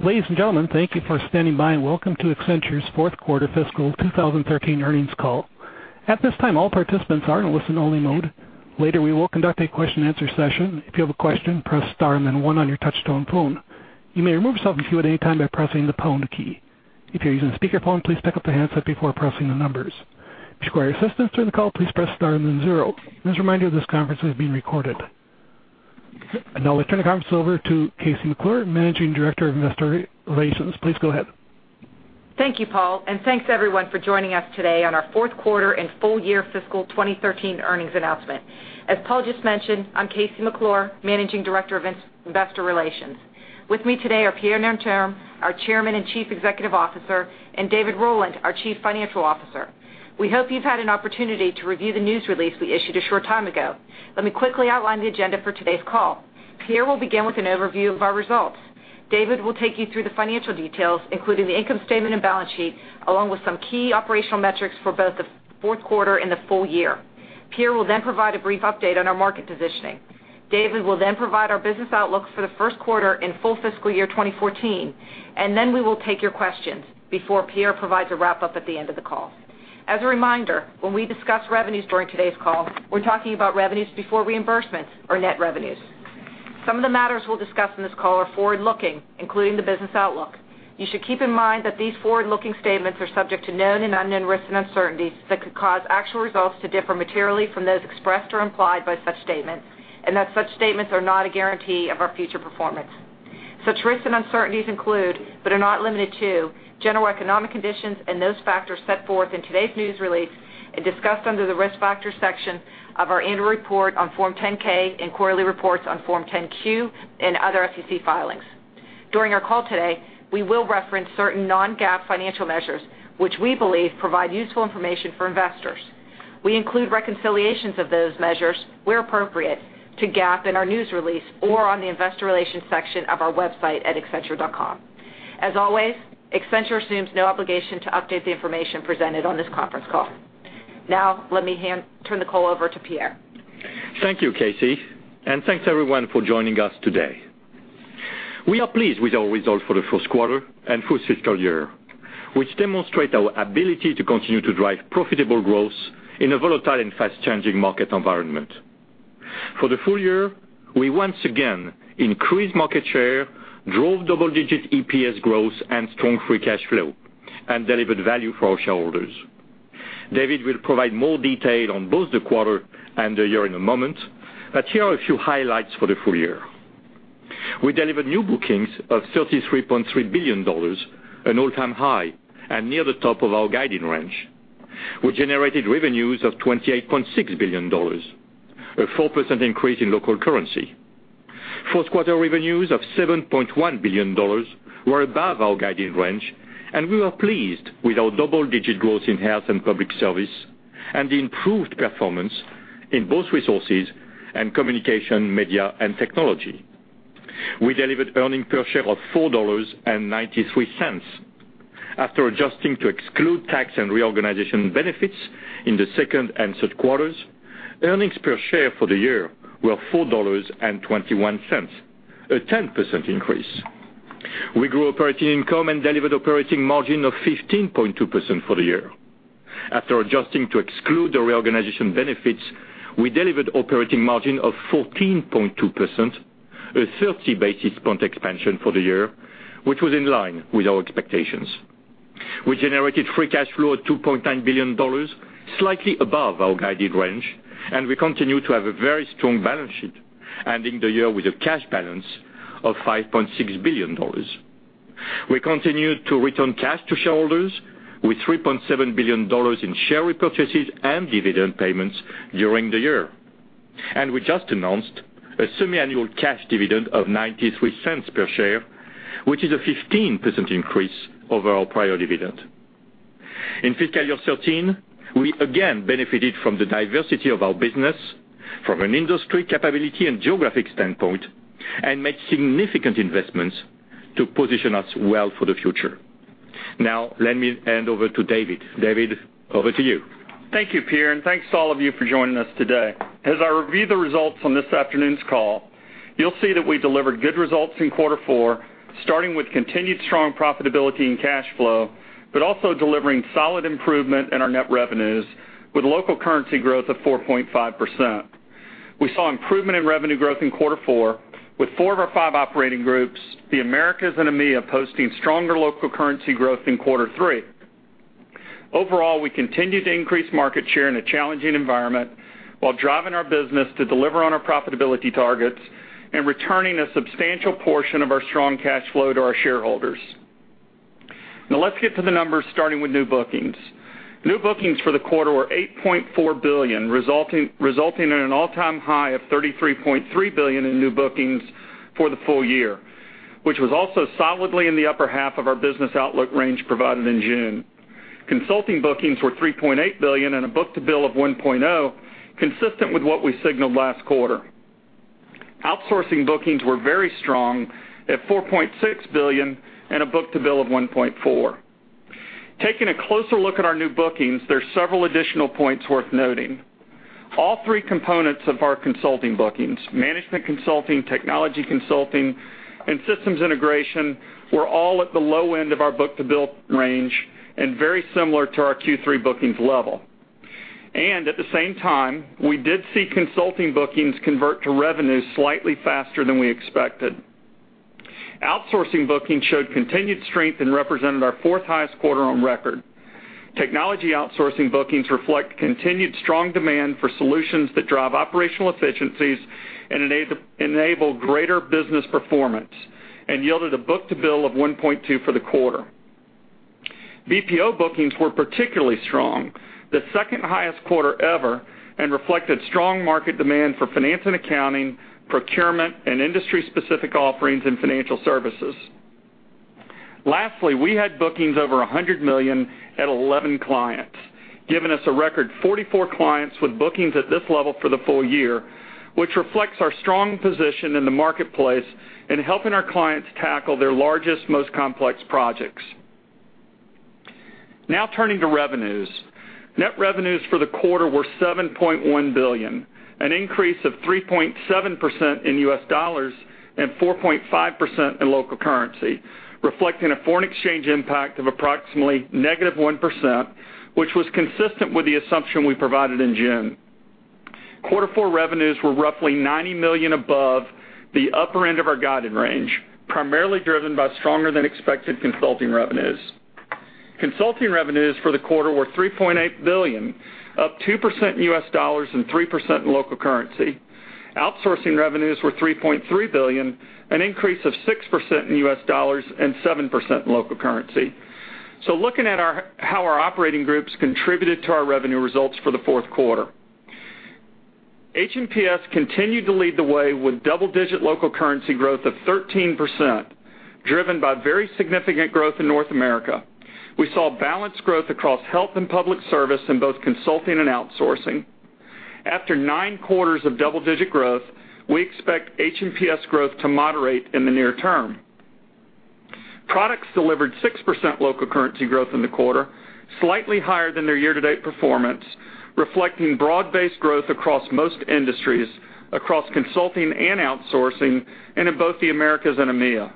Ladies and gentlemen, thank you for standing by and welcome to Accenture's fourth quarter fiscal 2013 earnings call. At this time, all participants are in a listen-only mode. Later, we will conduct a question-and-answer session. If you have a question, press star and then one on your touch-tone phone. You may remove yourself from queue at any time by pressing the pound key. If you're using a speakerphone, please pick up the handset before pressing the numbers. If you require assistance during the call, please press star then zero. Just a reminder, this conference is being recorded. Now I'll turn the conference over to KC McClure, Managing Director of Investor Relations. Please go ahead. Thank you, Paul, and thanks, everyone, for joining us today on our fourth quarter and full year fiscal 2013 earnings announcement. As Paul just mentioned, I'm KC McClure, Managing Director of Investor Relations. With me today are Pierre Nanterme, our Chairman and Chief Executive Officer, and David Rowland, our Chief Financial Officer. We hope you've had an opportunity to review the news release we issued a short time ago. Let me quickly outline the agenda for today's call. Pierre will begin with an overview of our results. David will take you through the financial details, including the income statement and balance sheet, along with some key operational metrics for both the fourth quarter and the full year. Pierre will provide a brief update on our market positioning. David will provide our business outlook for the first quarter and full fiscal year 2014, and we will take your questions before Pierre provides a wrap-up at the end of the call. As a reminder, when we discuss revenues during today's call, we're talking about revenues before reimbursements or net revenues. Some of the matters we'll discuss in this call are forward-looking, including the business outlook. You should keep in mind that these forward-looking statements are subject to known and unknown risks and uncertainties that could cause actual results to differ materially from those expressed or implied by such statements, and that such statements are not a guarantee of our future performance. Such risks and uncertainties include, but are not limited to, general economic conditions and those factors set forth in today's news release and discussed under the Risk Factors section of our annual report on Form 10-K and quarterly reports on Form 10-Q and other SEC filings. During our call today, we will reference certain non-GAAP financial measures, which we believe provide useful information for investors. We include reconciliations of those measures where appropriate to GAAP in our news release or on the investor relations section of our website at accenture.com. As always, Accenture assumes no obligation to update the information presented on this conference call. Now, let me turn the call over to Pierre. Thank you, KC, and thanks, everyone, for joining us today. We are pleased with our results for the first quarter and full fiscal year, which demonstrate our ability to continue to drive profitable growth in a volatile and fast-changing market environment. For the full year, we once again increased market share, drove double-digit EPS growth and strong free cash flow, and delivered value for our shareholders. David will provide more detail on both the quarter and the year in a moment, but here are a few highlights for the full year. We delivered new bookings of $33.3 billion, an all-time high, and near the top of our guiding range. We generated revenues of $28.6 billion, a 4% increase in local currency. Fourth quarter revenues of $7.1 billion were above our guiding range. We were pleased with our double-digit growth in health and public service and the improved performance in both resources and communication, media, and technology. We delivered earnings per share of $4.93. After adjusting to exclude tax and reorganization benefits in the second and third quarters, earnings per share for the year were $4.21, a 10% increase. We grew operating income and delivered operating margin of 15.2% for the year. After adjusting to exclude the reorganization benefits, we delivered operating margin of 14.2%, a 30-basis point expansion for the year, which was in line with our expectations. We generated free cash flow of $2.9 billion, slightly above our guided range, and we continue to have a very strong balance sheet, ending the year with a cash balance of $5.6 billion. We continued to return cash to shareholders with $3.7 billion in share repurchases and dividend payments during the year. We just announced a semiannual cash dividend of $0.93 per share, which is a 15% increase over our prior dividend. In fiscal year 2013, we again benefited from the diversity of our business from an industry capability and geographic standpoint and made significant investments to position us well for the future. Now, let me hand over to David. David, over to you. Thank you, Pierre, and thanks to all of you for joining us today. As I review the results on this afternoon's call, you will see that we delivered good results in quarter four, starting with continued strong profitability and cash flow, but also delivering solid improvement in our net revenues with local currency growth of 4.5%. We saw improvement in revenue growth in quarter four with four of our five operating groups, the Americas and EMEA posting stronger local currency growth in quarter three. Overall, we continued to increase market share in a challenging environment while driving our business to deliver on our profitability targets and returning a substantial portion of our strong cash flow to our shareholders. Now let us get to the numbers, starting with new bookings. New bookings for the quarter were $8.4 billion, resulting in an all-time high of $33.3 billion in new bookings for the full year, which was also solidly in the upper half of our business outlook range provided in June. Consulting bookings were $3.8 billion and a book-to-bill of 1.0, consistent with what we signaled last quarter. Outsourcing bookings were very strong at $4.6 billion and a book-to-bill of 1.4. Taking a closer look at our new bookings, there's several additional points worth noting. All three components of our consulting bookings, management consulting, technology consulting, and systems integration, were all at the low end of our book-to-bill range and very similar to our Q3 bookings level. At the same time, we did see consulting bookings convert to revenue slightly faster than we expected. Outsourcing bookings showed continued strength and represented our fourth highest quarter on record. Technology outsourcing bookings reflect continued strong demand for solutions that drive operational efficiencies and enable greater business performance and yielded a book-to-bill of 1.2 for the quarter. BPO bookings were particularly strong, the second highest quarter ever, and reflected strong market demand for finance and accounting, procurement, and industry-specific offerings and financial services. Lastly, we had bookings over $100 million at 11 clients, giving us a record 44 clients with bookings at this level for the full year, which reflects our strong position in the marketplace in helping our clients tackle their largest, most complex projects. Turning to revenues. Net revenues for the quarter were $7.1 billion, an increase of 3.7% in U.S. dollars and 4.5% in local currency, reflecting a foreign exchange impact of approximately -1%, which was consistent with the assumption we provided in June. Quarter four revenues were roughly $90 million above the upper end of our guided range, primarily driven by stronger-than-expected consulting revenues. Consulting revenues for the quarter were $3.8 billion, up 2% in U.S. dollars and 3% in local currency. Outsourcing revenues were $3.3 billion, an increase of 6% in U.S. dollars and 7% in local currency. Looking at how our operating groups contributed to our revenue results for the fourth quarter. H&PS continued to lead the way with double-digit local currency growth of 13%, driven by very significant growth in North America. We saw balanced growth across health and public service in both consulting and outsourcing. After nine quarters of double-digit growth, we expect H&PS growth to moderate in the near term. Products delivered 6% local currency growth in the quarter, slightly higher than their year-to-date performance, reflecting broad-based growth across most industries, across consulting and outsourcing, and in both the Americas and EMEA.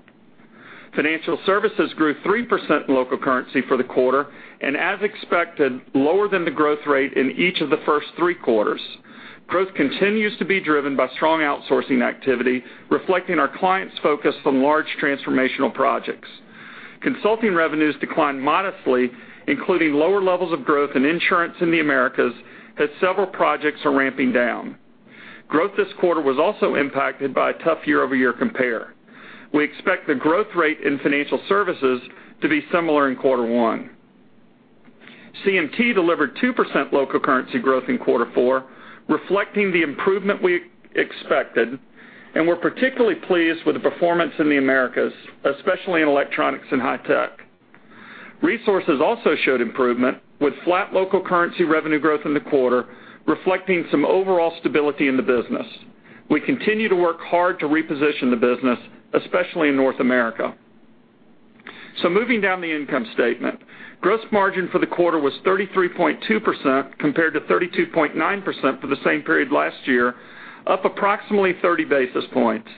Financial Services grew 3% in local currency for the quarter, as expected, lower than the growth rate in each of the first three quarters. Growth continues to be driven by strong outsourcing activity, reflecting our clients' focus on large transformational projects. Consulting revenues declined modestly, including lower levels of growth in insurance in the Americas, as several projects are ramping down. Growth this quarter was also impacted by a tough year-over-year compare. We expect the growth rate in Financial Services to be similar in quarter one. CMT delivered 2% local currency growth in quarter four, reflecting the improvement we expected, and we're particularly pleased with the performance in the Americas, especially in Electronics and High-Tech. Resources also showed improvement with flat local currency revenue growth in the quarter, reflecting some overall stability in the business. We continue to work hard to reposition the business, especially in North America. Moving down the income statement. Gross margin for the quarter was 33.2% compared to 32.9% for the same period last year, up approximately 30 basis points.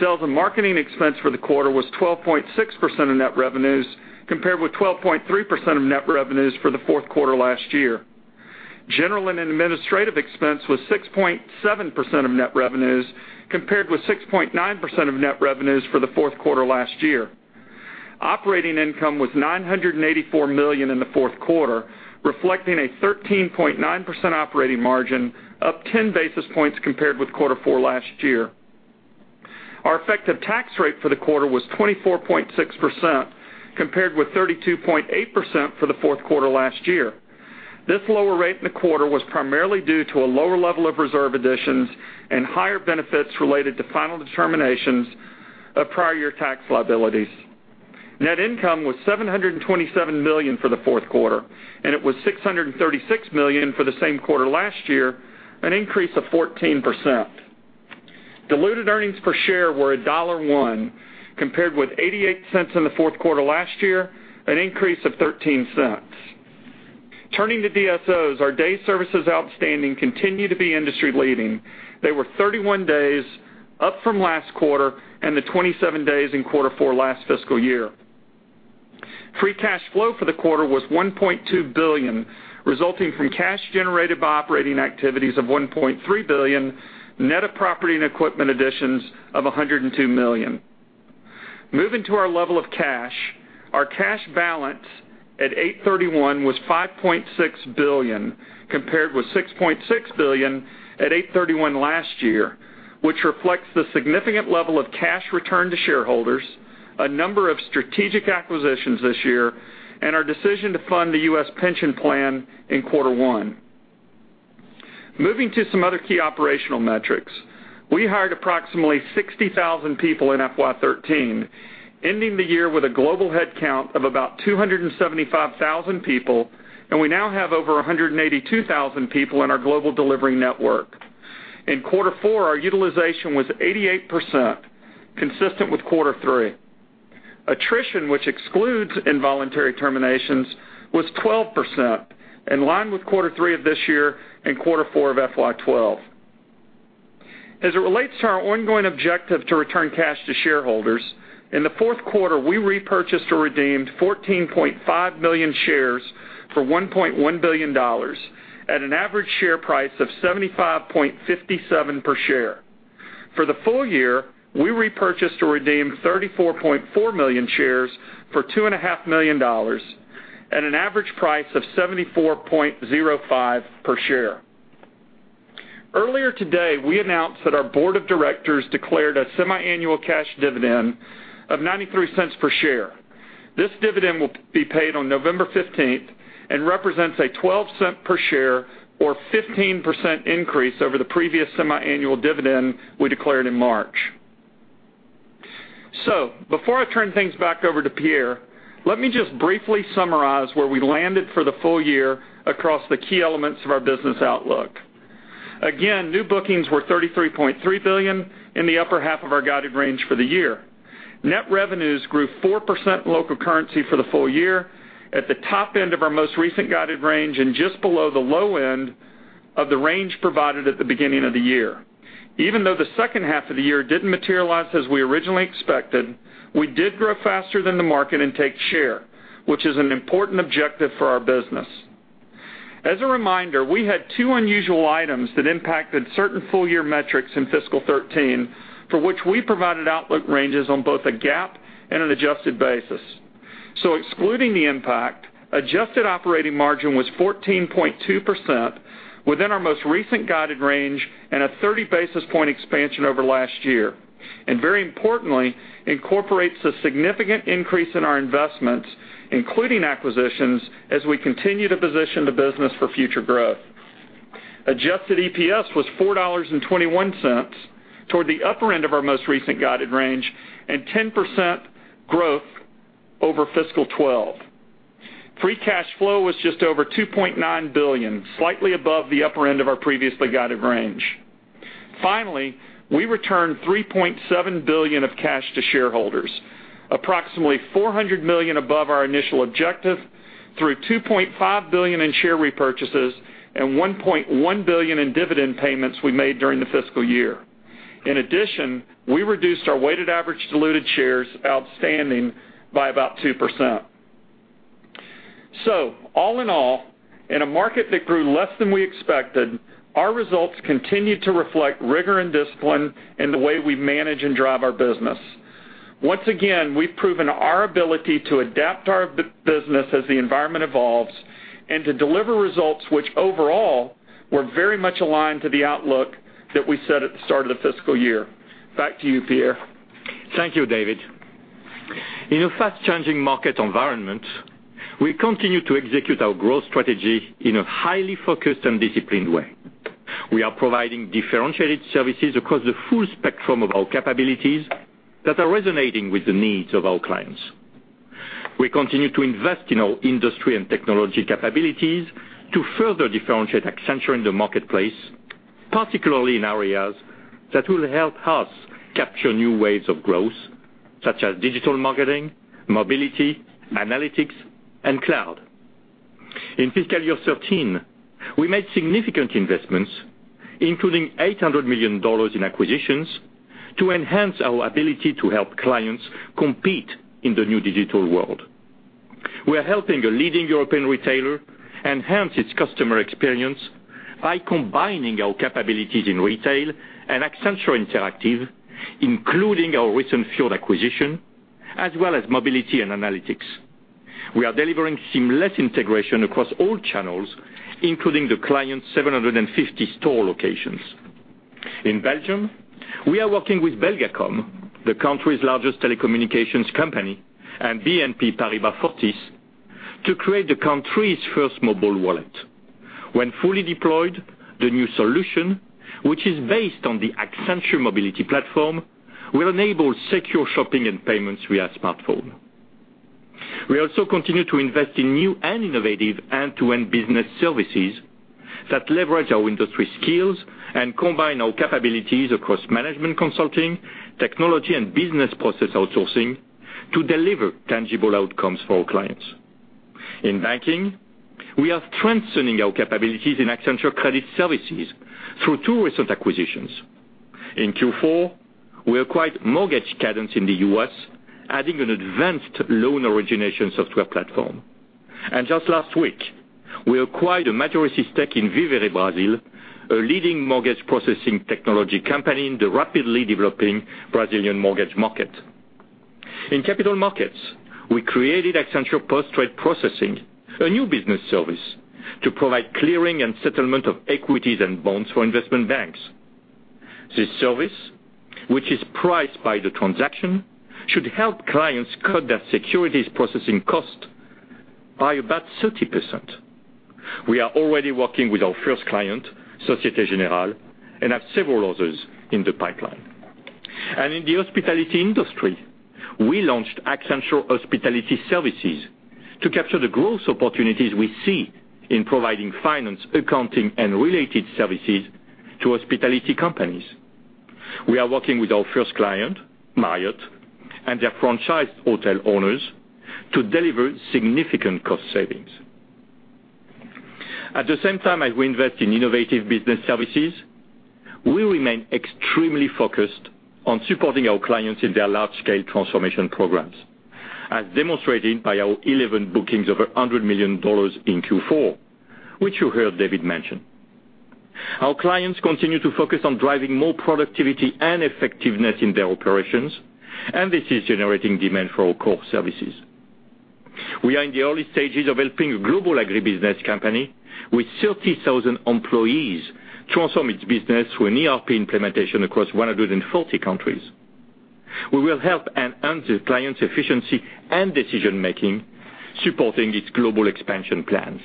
Sales and marketing expense for the quarter was 12.6% of net revenues, compared with 12.3% of net revenues for the fourth quarter last year. General and administrative expense was 6.7% of net revenues, compared with 6.9% of net revenues for the fourth quarter last year. Operating income was $984 million in the fourth quarter, reflecting a 13.9% operating margin, up 10 basis points compared with quarter four last year. Our effective tax rate for the quarter was 24.6%, compared with 32.8% for the fourth quarter last year. This lower rate in the quarter was primarily due to a lower level of reserve additions and higher benefits related to final determinations of prior year tax liabilities. Net income was $727 million for the fourth quarter, and it was $636 million for the same quarter last year, an increase of 14%. Diluted earnings per share were $1.01, compared with $0.88 in the fourth quarter last year, an increase of $0.13. Turning to DSOs, our Days Sales Outstanding continue to be industry leading. They were 31 days up from last quarter and the 27 days in quarter four last fiscal year. Free cash flow for the quarter was $1.2 billion, resulting from cash generated by operating activities of $1.3 billion, net of property and equipment additions of $102 million. Moving to our level of cash. Our cash balance at 8/31 was $5.6 billion, compared with $6.6 billion at 8/31 last year, which reflects the significant level of cash returned to shareholders, a number of strategic acquisitions this year, and our decision to fund the U.S. pension plan in quarter one. Moving to some other key operational metrics. We hired approximately 60,000 people in FY 2013, ending the year with a global headcount of about 275,000 people, and we now have over 182,000 people in our global delivery network. In quarter four, our utilization was 88%, consistent with quarter three. Attrition, which excludes involuntary terminations, was 12%, in line with quarter three of this year and quarter four of FY 2012. As it relates to our ongoing objective to return cash to shareholders, in the fourth quarter, we repurchased or redeemed $14.5 million shares for $1.1 billion at an average share price of $75.57 per share. For the full year, we repurchased or redeemed $34.4 million shares for $2.5 million at an average price of $74.05 per share. Earlier today, we announced that our board of directors declared a semiannual cash dividend of $0.93 per share. This dividend will be paid on November 15th and represents a $0.12 per share or 15% increase over the previous semiannual dividend we declared in March. Before I turn things back over to Pierre Nanterme, let me just briefly summarize where we landed for the full year across the key elements of our business outlook. Again, new bookings were $33.3 billion in the upper half of our guided range for the year. Net revenues grew 4% in local currency for the full year at the top end of our most recent guided range, and just below the low end of the range provided at the beginning of the year. Even though the second half of the year didn't materialize as we originally expected, we did grow faster than the market and take share, which is an important objective for our business. As a reminder, we had two unusual items that impacted certain full-year metrics in fiscal 2013, for which we provided outlook ranges on both a GAAP and an adjusted basis. Excluding the impact, adjusted operating margin was 14.2% within our most recent guided range and a 30 basis point expansion over last year. And very importantly, incorporates a significant increase in our investments, including acquisitions, as we continue to position the business for future growth. Adjusted EPS was $4.21 toward the upper end of our most recent guided range and 10% growth over fiscal 2012. Free cash flow was just over $2.9 billion, slightly above the upper end of our previously guided range. Finally, we returned $3.7 billion of cash to shareholders, approximately $400 million above our initial objective through $2.5 billion in share repurchases and $1.1 billion in dividend payments we made during the fiscal year. In addition, we reduced our weighted average diluted shares outstanding by about 2%. All in all, in a market that grew less than we expected, our results continued to reflect rigor and discipline in the way we manage and drive our business. Once again, we've proven our ability to adapt our business as the environment evolves and to deliver results which overall were very much aligned to the outlook that we set at the start of the fiscal year. Back to you, Pierre. Thank you, David. In a fast-changing market environment, we continue to execute our growth strategy in a highly focused and disciplined way. We are providing differentiated services across the full spectrum of our capabilities that are resonating with the needs of our clients. We continue to invest in our industry and technology capabilities to further differentiate Accenture in the marketplace, particularly in areas that will help us capture new waves of growth, such as digital marketing, Accenture Mobility, analytics, and cloud. In fiscal year 2013, we made significant investments, including $800 million in acquisitions, to enhance our ability to help clients compete in the new digital world. We're helping a leading European retailer enhance its customer experience by combining our capabilities in retail and Accenture Interactive, including our recent Fjord acquisition, as well as Accenture Mobility and analytics. We are delivering seamless integration across all channels, including the client's 750 store locations. In Belgium, we are working with Belgacom, the country's largest telecommunications company, and BNP Paribas Fortis to create the country's first mobile wallet. When fully deployed, the new solution, which is based on the Accenture Mobility platform, will enable secure shopping and payments via smartphone. We also continue to invest in new and innovative end-to-end business services that leverage our industry skills and combine our capabilities across management consulting, technology, and business process outsourcing to deliver tangible outcomes for our clients. In banking, we are strengthening our capabilities in Accenture Credit Services through two recent acquisitions. In Q4, we acquired Mortgage Cadence in the U.S., adding an advanced loan origination software platform. And just last week, we acquired a majority stake in Vivere Brasil, a leading mortgage processing technology company in the rapidly developing Brazilian mortgage market. In capital markets, we created Accenture Post-Trade Processing, a new business service to provide clearing and settlement of equities and bonds for investment banks. This service, which is priced by the transaction, should help clients cut their securities processing cost by about 30%. We are already working with our first client, Société Générale, and have several others in the pipeline. In the hospitality industry, we launched Accenture Hospitality Services to capture the growth opportunities we see in providing finance, accounting, and related services to hospitality companies. We are working with our first client, Marriott, and their franchised hotel owners to deliver significant cost savings. At the same time as we invest in innovative business services, we remain extremely focused on supporting our clients in their large-scale transformation programs, as demonstrated by our 11 bookings over $100 million in Q4, which you heard David mention. Our clients continue to focus on driving more productivity and effectiveness in their operations, and this is generating demand for our core services. We are in the early stages of helping a global agribusiness company with 30,000 employees transform its business through an ERP implementation across 140 countries. We will help enhance the client's efficiency and decision-making, supporting its global expansion plans.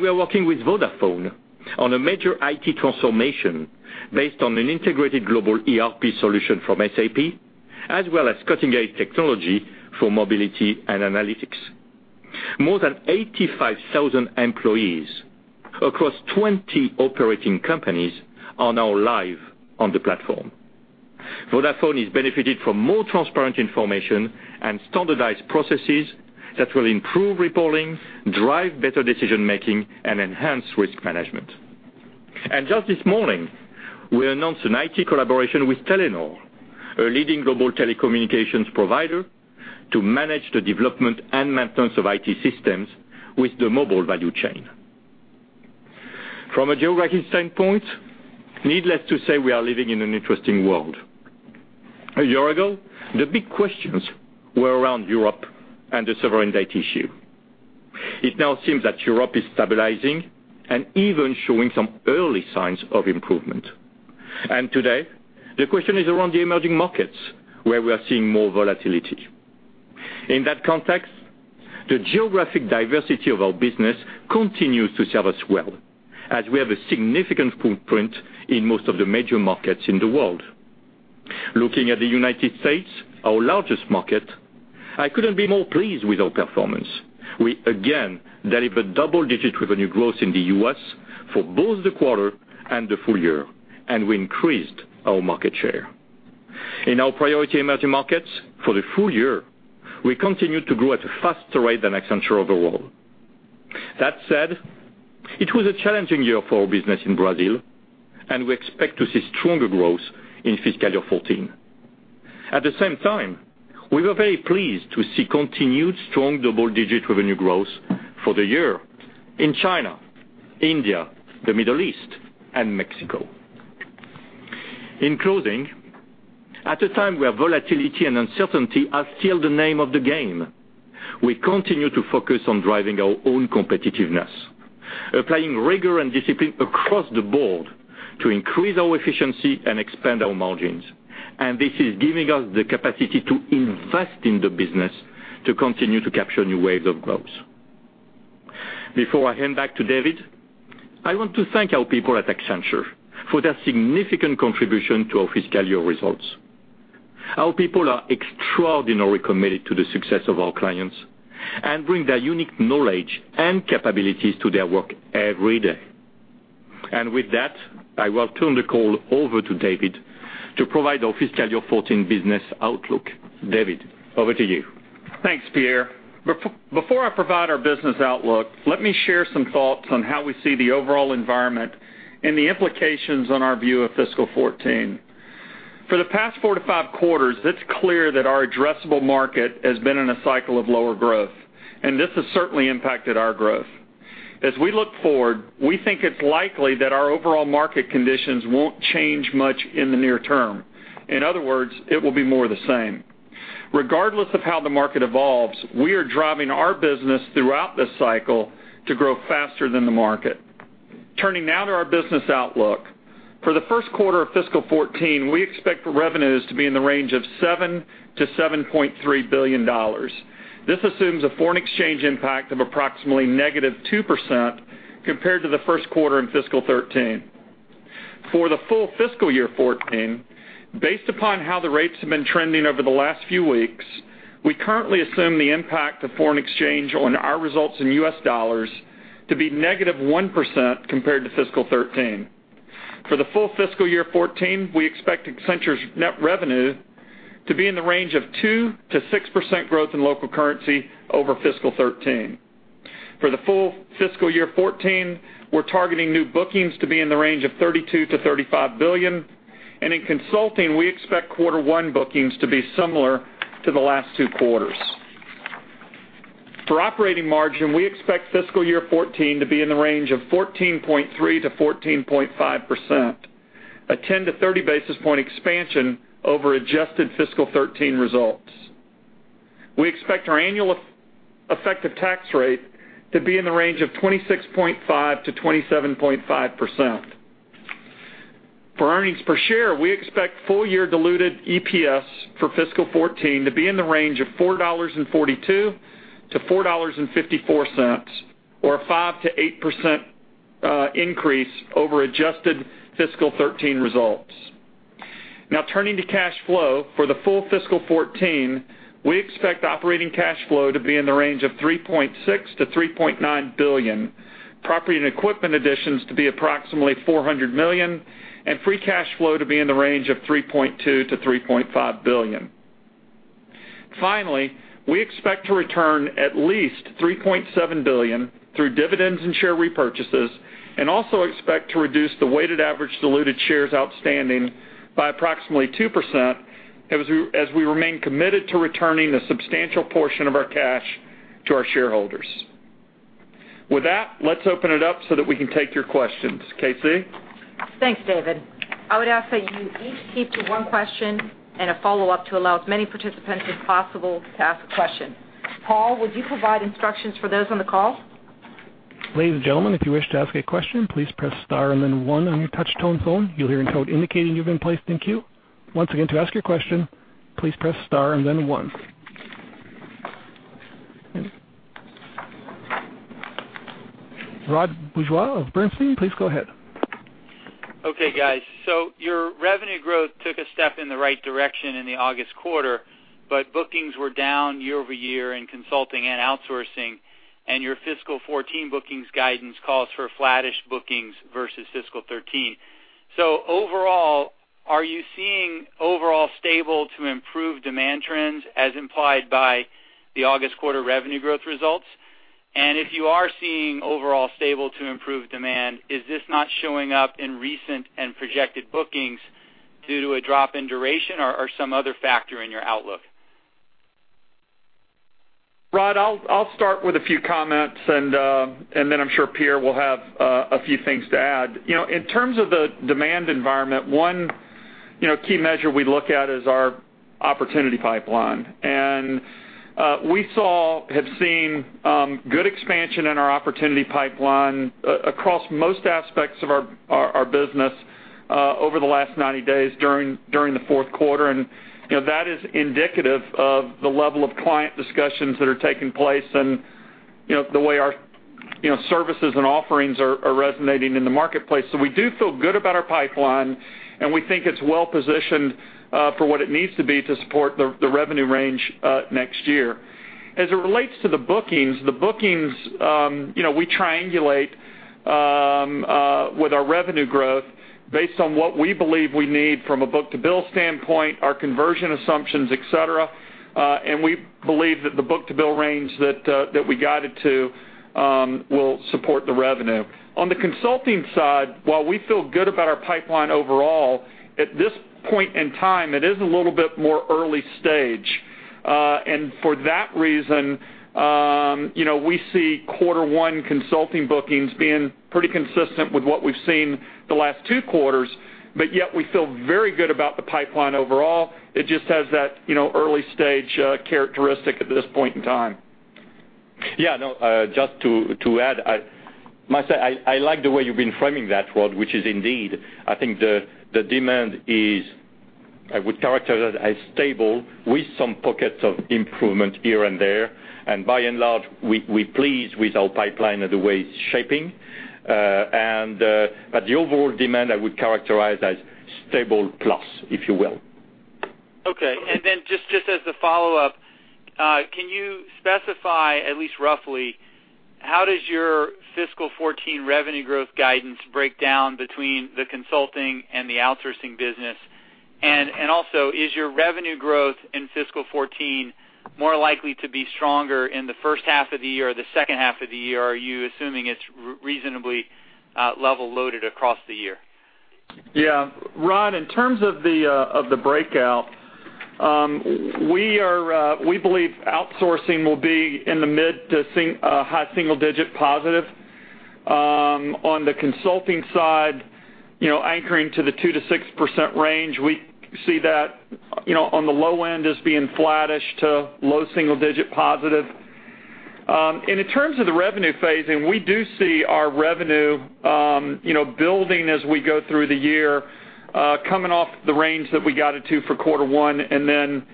We are working with Vodafone on a major IT transformation based on an integrated global ERP solution from SAP, as well as cutting-edge technology for mobility and analytics. More than 85,000 employees across 20 operating companies are now live on the platform. Vodafone has benefited from more transparent information and standardized processes that will improve reporting, drive better decision-making, and enhance risk management. Just this morning, we announced an IT collaboration with Telenor, a leading global telecommunications provider, to manage the development and maintenance of IT systems with the mobile value chain. From a geographic standpoint, needless to say, we are living in an interesting world. A year ago, the big questions were around Europe and the sovereign debt issue. It now seems that Europe is stabilizing and even showing some early signs of improvement. Today, the question is around the emerging markets, where we are seeing more volatility. In that context, the geographic diversity of our business continues to serve us well, as we have a significant footprint in most of the major markets in the world. Looking at the U.S., our largest market, I couldn't be more pleased with our performance. We again delivered double-digit revenue growth in the U.S. for both the quarter and the full year, and we increased our market share. In our priority emerging markets for the full year, we continued to grow at a faster rate than Accenture overall. That said, it was a challenging year for our business in Brazil, and we expect to see stronger growth in fiscal year 2014. At the same time, we were very pleased to see continued strong double-digit revenue growth for the year in China, India, the Middle East, and Mexico. In closing, at a time where volatility and uncertainty are still the name of the game, we continue to focus on driving our own competitiveness, applying rigor and discipline across the board to increase our efficiency and expand our margins. This is giving us the capacity to invest in the business to continue to capture new waves of growth. Before I hand back to David, I want to thank our people at Accenture for their significant contribution to our fiscal year results. Our people are extraordinarily committed to the success of our clients and bring their unique knowledge and capabilities to their work every day. With that, I will turn the call over to David to provide our fiscal year 2014 business outlook. David, over to you. Thanks, Pierre. Before I provide our business outlook, let me share some thoughts on how we see the overall environment and the implications on our view of fiscal 2014. For the past four to five quarters, it's clear that our addressable market has been in a cycle of lower growth, this has certainly impacted our growth. As we look forward, we think it's likely that our overall market conditions won't change much in the near term. In other words, it will be more the same. Regardless of how the market evolves, we are driving our business throughout this cycle to grow faster than the market. Turning now to our business outlook. For the first quarter of fiscal 2014, we expect the revenues to be in the range of $7 billion-$7.3 billion. This assumes a foreign exchange impact of approximately -2% compared to the first quarter in fiscal 2013. For the full fiscal year 2014, based upon how the rates have been trending over the last few weeks, we currently assume the impact of foreign exchange on our results in US dollars to be -1% compared to fiscal 2013. For the full fiscal year 2014, we expect Accenture's net revenue to be in the range of 2%-6% growth in local currency over fiscal 2013. For the full fiscal year 2014, we're targeting new bookings to be in the range of $32 billion-$35 billion. In consulting, we expect quarter one bookings to be similar to the last two quarters. For operating margin, we expect fiscal year 2014 to be in the range of 14.3%-14.5%, a 10-30 basis point expansion over adjusted fiscal 2013 results. We expect our annual effective tax rate to be in the range of 26.5%-27.5%. For earnings per share, we expect full-year diluted EPS for fiscal 2014 to be in the range of $4.42-$4.54, or a 5%-8% increase over adjusted fiscal 2013 results. Turning to cash flow. For the full fiscal 2014, we expect operating cash flow to be in the range of $3.6 billion-$3.9 billion. Property and equipment additions to be approximately $400 million, free cash flow to be in the range of $3.2 billion-$3.5 billion. Finally, we expect to return at least $3.7 billion through dividends and share repurchases, and also expect to reduce the weighted average diluted shares outstanding by approximately 2% as we remain committed to returning a substantial portion of our cash to our shareholders. With that, let's open it up so that we can take your questions, KC? Thanks, David. I would ask that you each keep to one question and a follow-up to allow as many participants as possible to ask a question. Paul, would you provide instructions for those on the call? Ladies and gentlemen, if you wish to ask a question, please press star and then one on your touch tone phone. You'll hear a tone indicating you've been placed in queue. Once again, to ask your question, please press star and then one. Rod Bourgeois of Bernstein, please go ahead. Okay, guys. Your revenue growth took a step in the right direction in the August quarter, but bookings were down year-over-year in consulting and outsourcing, and your FY 2014 bookings guidance calls for flattish bookings versus FY 2013. Overall, are you seeing overall stable to improved demand trends as implied by the August quarter revenue growth results? If you are seeing overall stable to improved demand, is this not showing up in recent and projected bookings due to a drop in duration or some other factor in your outlook? Rod, I'll start with a few comments, then I'm sure Pierre will have a few things to add. In terms of the demand environment, one key measure we look at is our opportunity pipeline. We have seen good expansion in our opportunity pipeline across most aspects of our business over the last 90 days during the fourth quarter. That is indicative of the level of client discussions that are taking place and the way our services and offerings are resonating in the marketplace. We do feel good about our pipeline, and we think it's well-positioned, for what it needs to be to support the revenue range next year. As it relates to the bookings, we triangulate with our revenue growth based on what we believe we need from a book-to-bill standpoint, our conversion assumptions, et cetera. We believe that the book-to-bill range that we guided to will support the revenue. On the consulting side, while we feel good about our pipeline overall, at this point in time, it is a little bit more early stage. For that reason, we see quarter one consulting bookings being pretty consistent with what we've seen the last two quarters, but yet we feel very good about the pipeline overall. It just has that early stage characteristic at this point in time. Yeah, just to add, I must say, I like the way you've been framing that, Rod, which is indeed, I think the demand is, I would characterize it as stable with some pockets of improvement here and there, and by and large, we're pleased with our pipeline and the way it's shaping. The overall demand I would characterize as stable plus, if you will. Okay. Then just as a follow-up, can you specify at least roughly, how does your fiscal 2014 revenue growth guidance break down between the consulting and the outsourcing business? Also, is your revenue growth in fiscal 2014 more likely to be stronger in the first half of the year or the second half of the year? Are you assuming it's reasonably level loaded across the year? Yeah. Rod, in terms of the breakout, we believe outsourcing will be in the mid to high single digit positive. On the consulting side, anchoring to the 2%-6% range, we see that on the low end as being flattish to low single digit positive. In terms of the revenue phasing, we do see our revenue building as we go through the year, coming off the range that we guided to for quarter one and then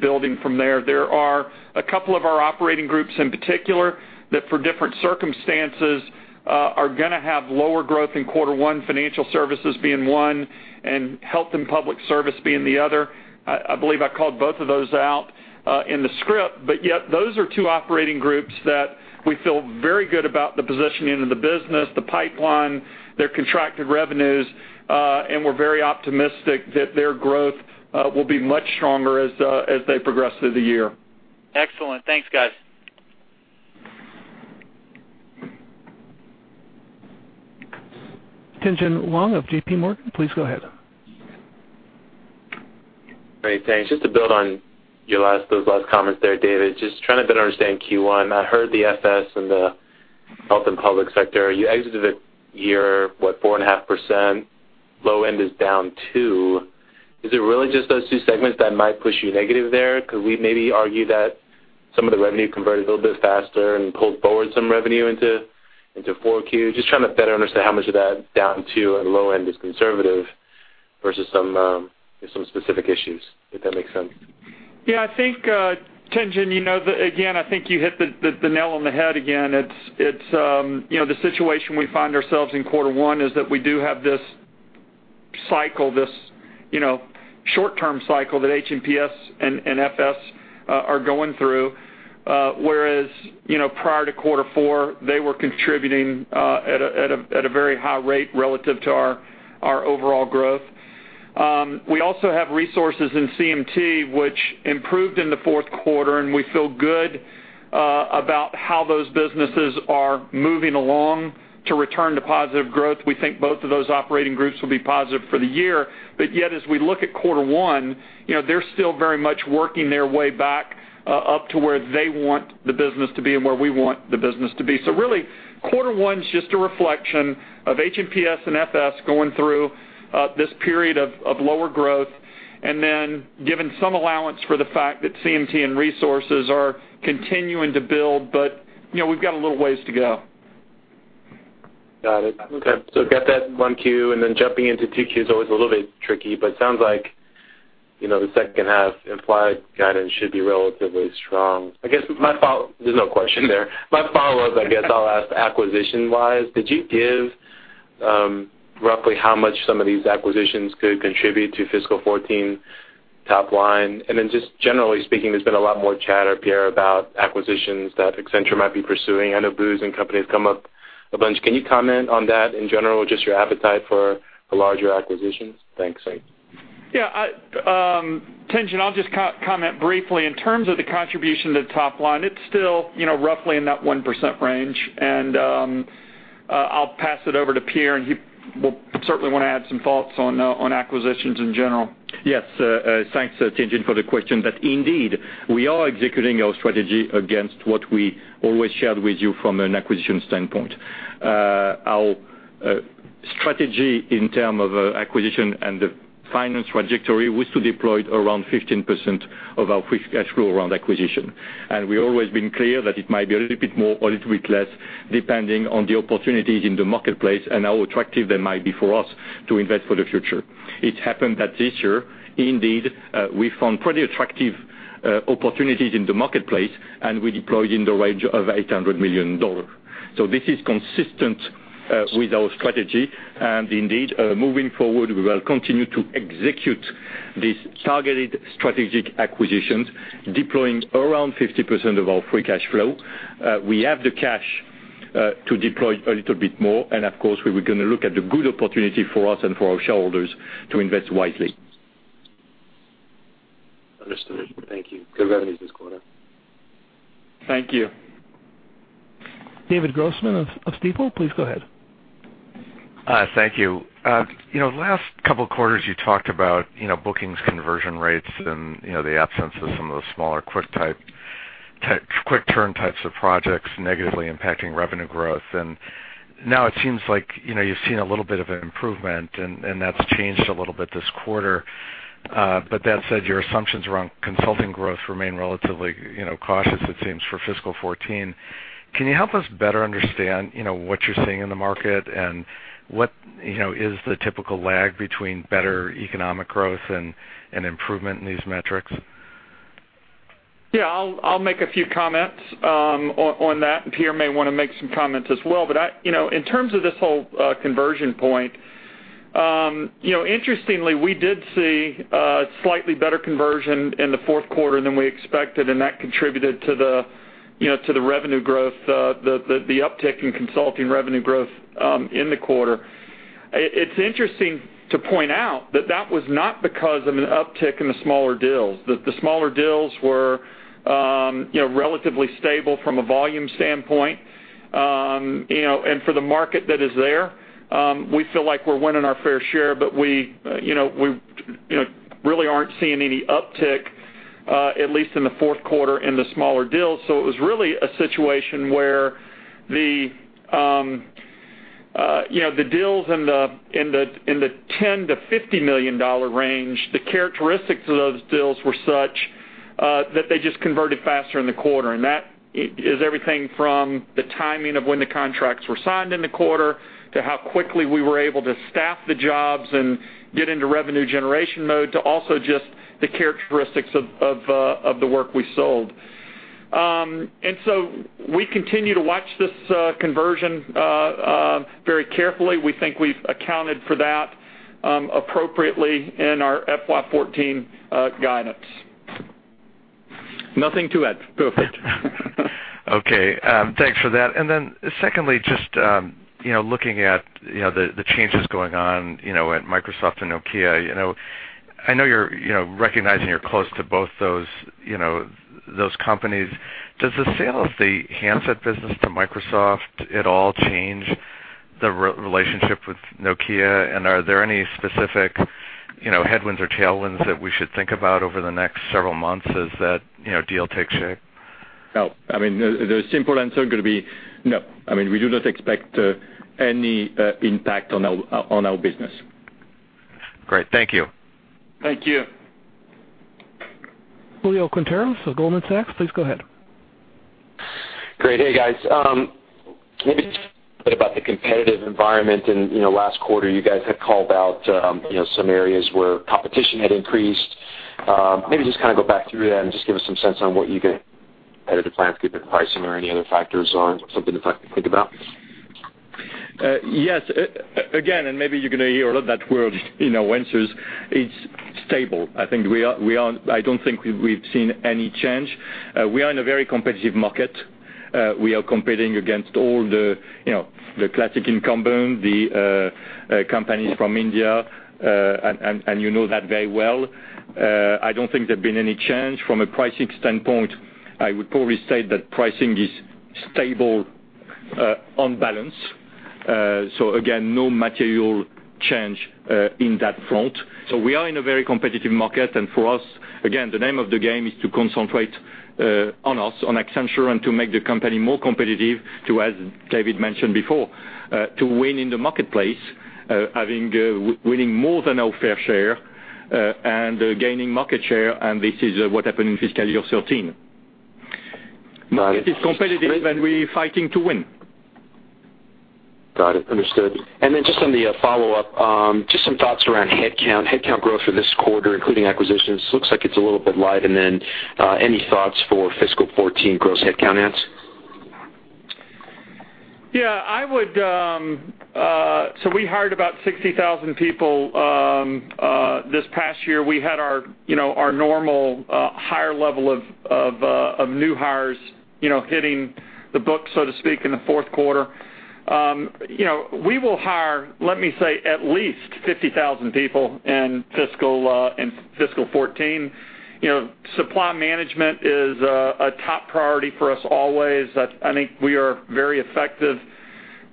building from there. There are a couple of our operating groups in particular that for different circumstances are going to have lower growth in quarter one, Financial Services being one, and Health & Public Service being the other. I believe I called both of those out in the script. Yet those are two operating groups that we feel very good about the positioning of the business, the pipeline, their contracted revenues. We're very optimistic that their growth will be much stronger as they progress through the year. Excellent. Thanks, guys. Tien-Tsin Huang of JPMorgan, please go ahead. Great, thanks. Just to build on those last comments there, David. Just trying to better understand Q1. I heard the FS and the health and public sector, you exited the year, what? 4.5% low end is down 2. Is it really just those 2 segments that might push you negative there? Could we maybe argue that some of the revenue converted a little bit faster and pulled forward some revenue into 4Q? Just trying to better understand how much of that down 2 and low end is conservative versus some specific issues, if that makes sense. Yeah, I think, Tien-Tsin, again, I think you hit the nail on the head again. The situation we find ourselves in Q1 is that we do have this cycle, this short-term cycle that H&PS and FS are going through, whereas, prior to Q4, they were contributing at a very high rate relative to our overall growth. We also have resources in CMT, which improved in the Q4, and we feel good about how those businesses are moving along to return to positive growth. We think both of those operating groups will be positive for the year. Yet, as we look at Q1, they're still very much working their way back up to where they want the business to be and where we want the business to be. Really, Q1 is just a reflection of H&PS and FS going through this period of lower growth, and then given some allowance for the fact that CMT and resources are continuing to build, but we've got a little ways to go. Got it. Okay. Got that one Q, jumping into two Q is always a little bit tricky, sounds like the second half implied guidance should be relatively strong. There's no question there. My follow-up, I guess I'll ask acquisition-wise, did you give roughly how much some of these acquisitions could contribute to fiscal 2014 top line? Just generally speaking, there's been a lot more chatter, Pierre, about acquisitions that Accenture might be pursuing. I know Booz & Company has come up a bunch. Can you comment on that, in general, just your appetite for larger acquisitions? Thanks. Yeah. Tien-Tsin, I'll just comment briefly. In terms of the contribution to the top line, it's still roughly in that 1% range, I'll pass it over to Pierre, he will certainly want to add some thoughts on acquisitions, in general. Yes. Thanks, Tien-Tsin, for the question. Indeed, we are executing our strategy against what we always shared with you from an acquisition standpoint. Our strategy in terms of acquisition and the finance trajectory was to deploy around 15% of our free cash flow around acquisition. We always been clear that it might be a little bit more or a little bit less, depending on the opportunities in the marketplace and how attractive they might be for us to invest for the future. It happened that this year, indeed, we found pretty attractive opportunities in the marketplace, we deployed in the range of $800 million. This is consistent with our strategy, indeed, moving forward, we will continue to execute these targeted strategic acquisitions, deploying around 50% of our free cash flow. We have the cash to deploy a little bit more, of course, we were going to look at the good opportunity for us and for our shareholders to invest wisely. Understood. Thank you. Good revenues this quarter. Thank you. David Grossman of Stifel, please go ahead. Thank you. Last couple of quarters, you talked about bookings, conversion rates, and the absence of some of the smaller quick-turn types of projects negatively impacting revenue growth. Now it seems like you've seen a little bit of an improvement, and that's changed a little bit this quarter. That said, your assumptions around consulting growth remain relatively cautious, it seems, for fiscal 2014. Can you help us better understand what you're seeing in the market and what is the typical lag between better economic growth and improvement in these metrics? Yeah, I'll make a few comments on that, and Pierre may want to make some comments as well. In terms of this whole conversion point, interestingly, we did see a slightly better conversion in the fourth quarter than we expected, and that contributed to the revenue growth, the uptick in consulting revenue growth in the quarter. It's interesting to point out that that was not because of an uptick in the smaller deals. The smaller deals were relatively stable from a volume standpoint. For the market that is there, we feel like we're winning our fair share, but we really aren't seeing any uptick, at least in the fourth quarter, in the smaller deals. It was really a situation where the deals in the $10 million-$50 million range, the characteristics of those deals were such that they just converted faster in the quarter. That is everything from the timing of when the contracts were signed in the quarter to how quickly we were able to staff the jobs and get into revenue generation mode to also just the characteristics of the work we sold. We continue to watch this conversion very carefully. We think we've accounted for that appropriately in our FY 2014 guidance. Nothing to add. Perfect. Okay. Thanks for that. Secondly, just looking at the changes going on at Microsoft and Nokia. I know you're recognizing you're close to both those companies. Does the sale of the handset business to Microsoft at all change the relationship with Nokia, and are there any specific headwinds or tailwinds that we should think about over the next several months as that deal takes shape? No. The simple answer going to be no. We do not expect any impact on our business. Great. Thank you. Thank you. Julio Quinteros, Goldman Sachs, please go ahead. Great. Hey, guys. Maybe bit about the competitive environment in last quarter, you guys had called out some areas where competition had increased. Maybe just go back through that and just give us some sense on how did the plan pricing or any other factors or something to think about? Yes. Again, maybe you're going to hear a lot that word in our answers, it's stable. I don't think we've seen any change. We are in a very competitive market. We are competing against all the classic incumbent, the companies from India, and you know that very well. I don't think there's been any change from a pricing standpoint. I would probably say that pricing is stable on balance. Again, no material change in that front. We are in a very competitive market, and for us, again, the name of the game is to concentrate on us, on Accenture, and to make the company more competitive to, as David Rowland mentioned before, to win in the marketplace, winning more than our fair share, and gaining market share, and this is what happened in fiscal year 2013. Got it. It is competitive, and we fighting to win. Got it, understood. Just on the follow-up, just some thoughts around headcount. Headcount growth for this quarter, including acquisitions, looks like it's a little bit light, any thoughts for fiscal 2014 gross headcount adds? Yeah. We hired about 60,000 people this past year. We had our normal higher level of new hires hitting the books, so to speak, in the fourth quarter. We will hire, let me say, at least 50,000 people in fiscal 2014. Supply management is a top priority for us always. I think we are very effective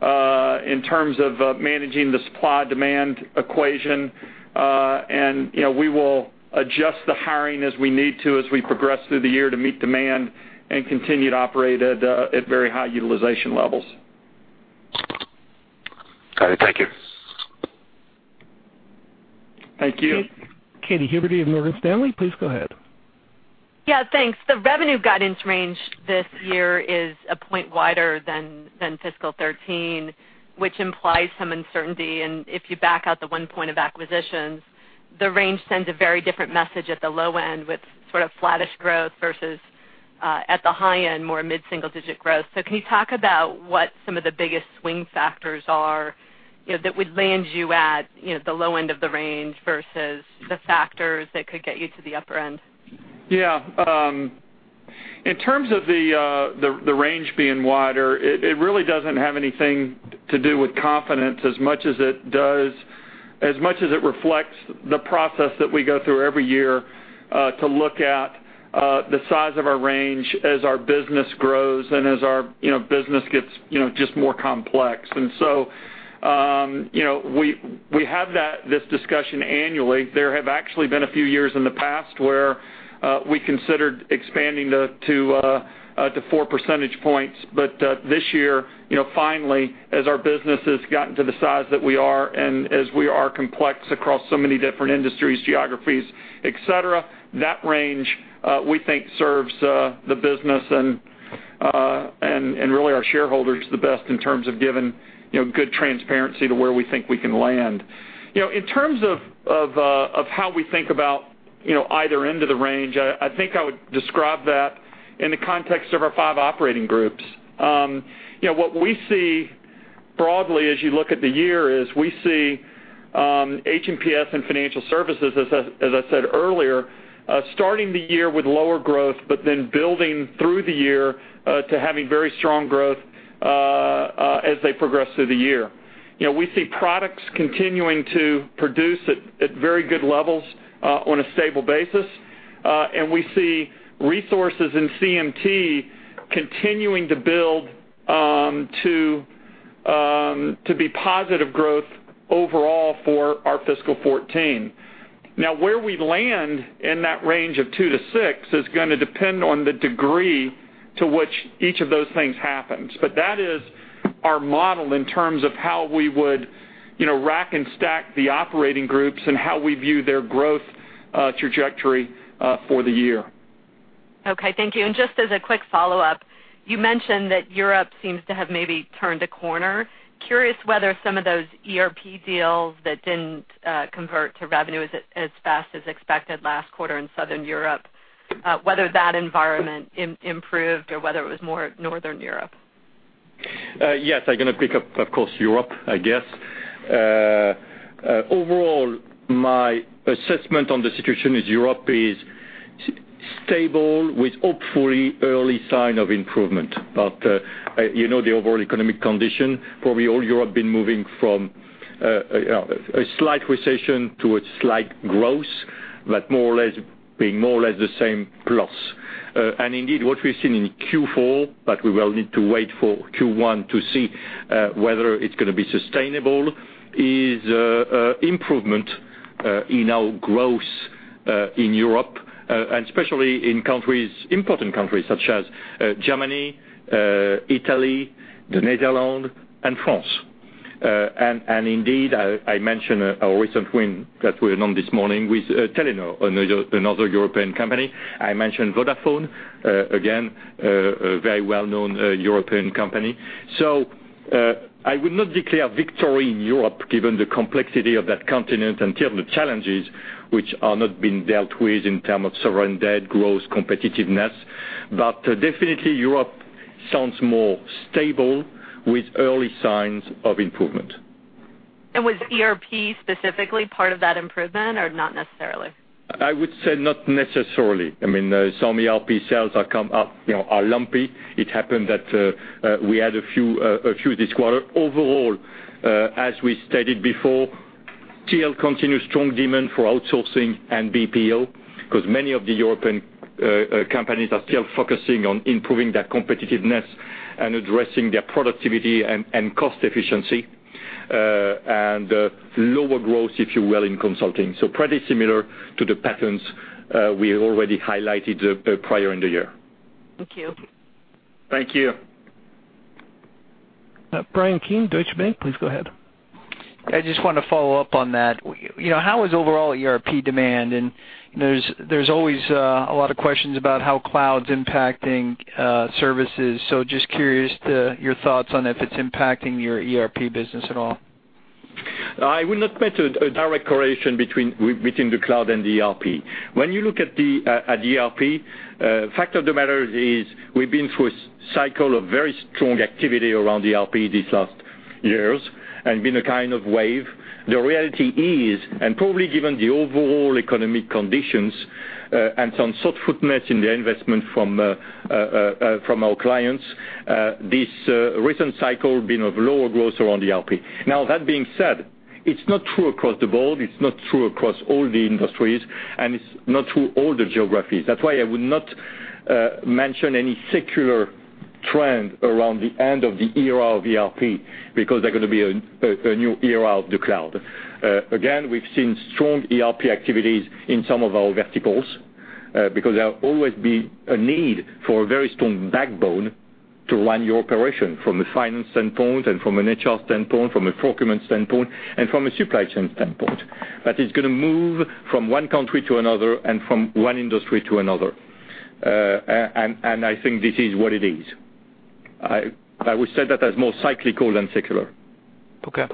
in terms of managing the supply-demand equation. We will adjust the hiring as we need to as we progress through the year to meet demand and continue to operate at very high utilization levels. Got it. Thank you. Thank you. Katy Huberty of Morgan Stanley, please go ahead. Yeah, thanks. The revenue guidance range this year is a point wider than fiscal 2013, which implies some uncertainty, and if you back out the one point of acquisitions, the range sends a very different message at the low end with flattish growth versus at the high end, more mid-single-digit growth. Can you talk about what some of the biggest swing factors are that would land you at the low end of the range versus the factors that could get you to the upper end? Yeah. In terms of the range being wider, it really doesn't have anything to do with confidence as much as it does, as much as it reflects the process that we go through every year to look at the size of our range as our business grows and as our business gets just more complex. We have this discussion annually. There have actually been a few years in the past where we considered expanding to four percentage points. This year, finally, as our business has gotten to the size that we are and as we are complex across so many different industries, geographies, et cetera, that range, we think serves the business and really our shareholders the best in terms of giving good transparency to where we think we can land. In terms of how we think about either end of the range, I think I would describe that in the context of our five operating groups. What we see broadly as you look at the year is we see H&PS and financial services, as I said earlier, starting the year with lower growth, but then building through the year to having very strong growth as they progress through the year. We see products continuing to produce at very good levels on a stable basis. We see resources in CMT continuing to build to be positive growth overall for our fiscal 2014. Now, where we land in that range of two to six is going to depend on the degree to which each of those things happens. That is our model in terms of how we would rack and stack the operating groups and how we view their growth trajectory for the year. Okay, thank you. Just as a quick follow-up, you mentioned that Europe seems to have maybe turned a corner. Curious whether some of those ERP deals that didn't convert to revenue as fast as expected last quarter in Southern Europe, whether that environment improved or whether it was more Northern Europe. Yes, I'm going to pick up, of course, Europe, I guess. Overall, my assessment on the situation is Europe is stable with hopefully early sign of improvement. You know the overall economic condition, probably all Europe been moving from a slight recession to a slight growth, but more or less being more or less the same growth. Indeed, what we've seen in Q4, but we will need to wait for Q1 to see whether it's going to be sustainable, is improvement in our growth in Europe, and especially in important countries such as Germany, Italy, the Netherlands, and France. Indeed, I mentioned a recent win that we announced this morning with Telenor, another European company. I mentioned Vodafone, again, a very well-known European company. I would not declare victory in Europe, given the complexity of that continent and the challenges which are not being dealt with in terms of sovereign debt, growth, competitiveness. Definitely Europe sounds more stable with early signs of improvement. Was ERP specifically part of that improvement, or not necessarily? I would say not necessarily. Some ERP sales are lumpy. It happened that we had a few this quarter. Overall, as we stated before, still continue strong demand for outsourcing and BPO, because many of the European companies are still focusing on improving their competitiveness and addressing their productivity and cost efficiency, and lower growth, if you will, in consulting. Pretty similar to the patterns we already highlighted prior in the year. Thank you. Thank you. Bryan Keane, Deutsche Bank, please go ahead. I just want to follow up on that. How is overall ERP demand? There's always a lot of questions about how cloud's impacting services. Just curious to your thoughts on if it's impacting your ERP business at all. I would not make a direct correlation between the cloud and the ERP. When you look at the ERP, fact of the matter is we've been through a cycle of very strong activity around ERP these last years and been a kind of wave. The reality is, and probably given the overall economic conditions and some softness in the investment from our clients, this recent cycle being of lower growth around ERP. Now, that being said, it's not true across the board, it's not true across all the industries, and it's not true all the geographies. That's why I would not mention any secular trend around the end of the era of ERP, because there are going to be a new era of the cloud. Again, we've seen strong ERP activities in some of our verticals, because there will always be a need for a very strong backbone to run your operation, from a finance standpoint and from an HR standpoint, from a procurement standpoint, and from a supply chain standpoint. That is going to move from one country to another and from one industry to another. I think this is what it is. I would say that as more cyclical than secular. Okay.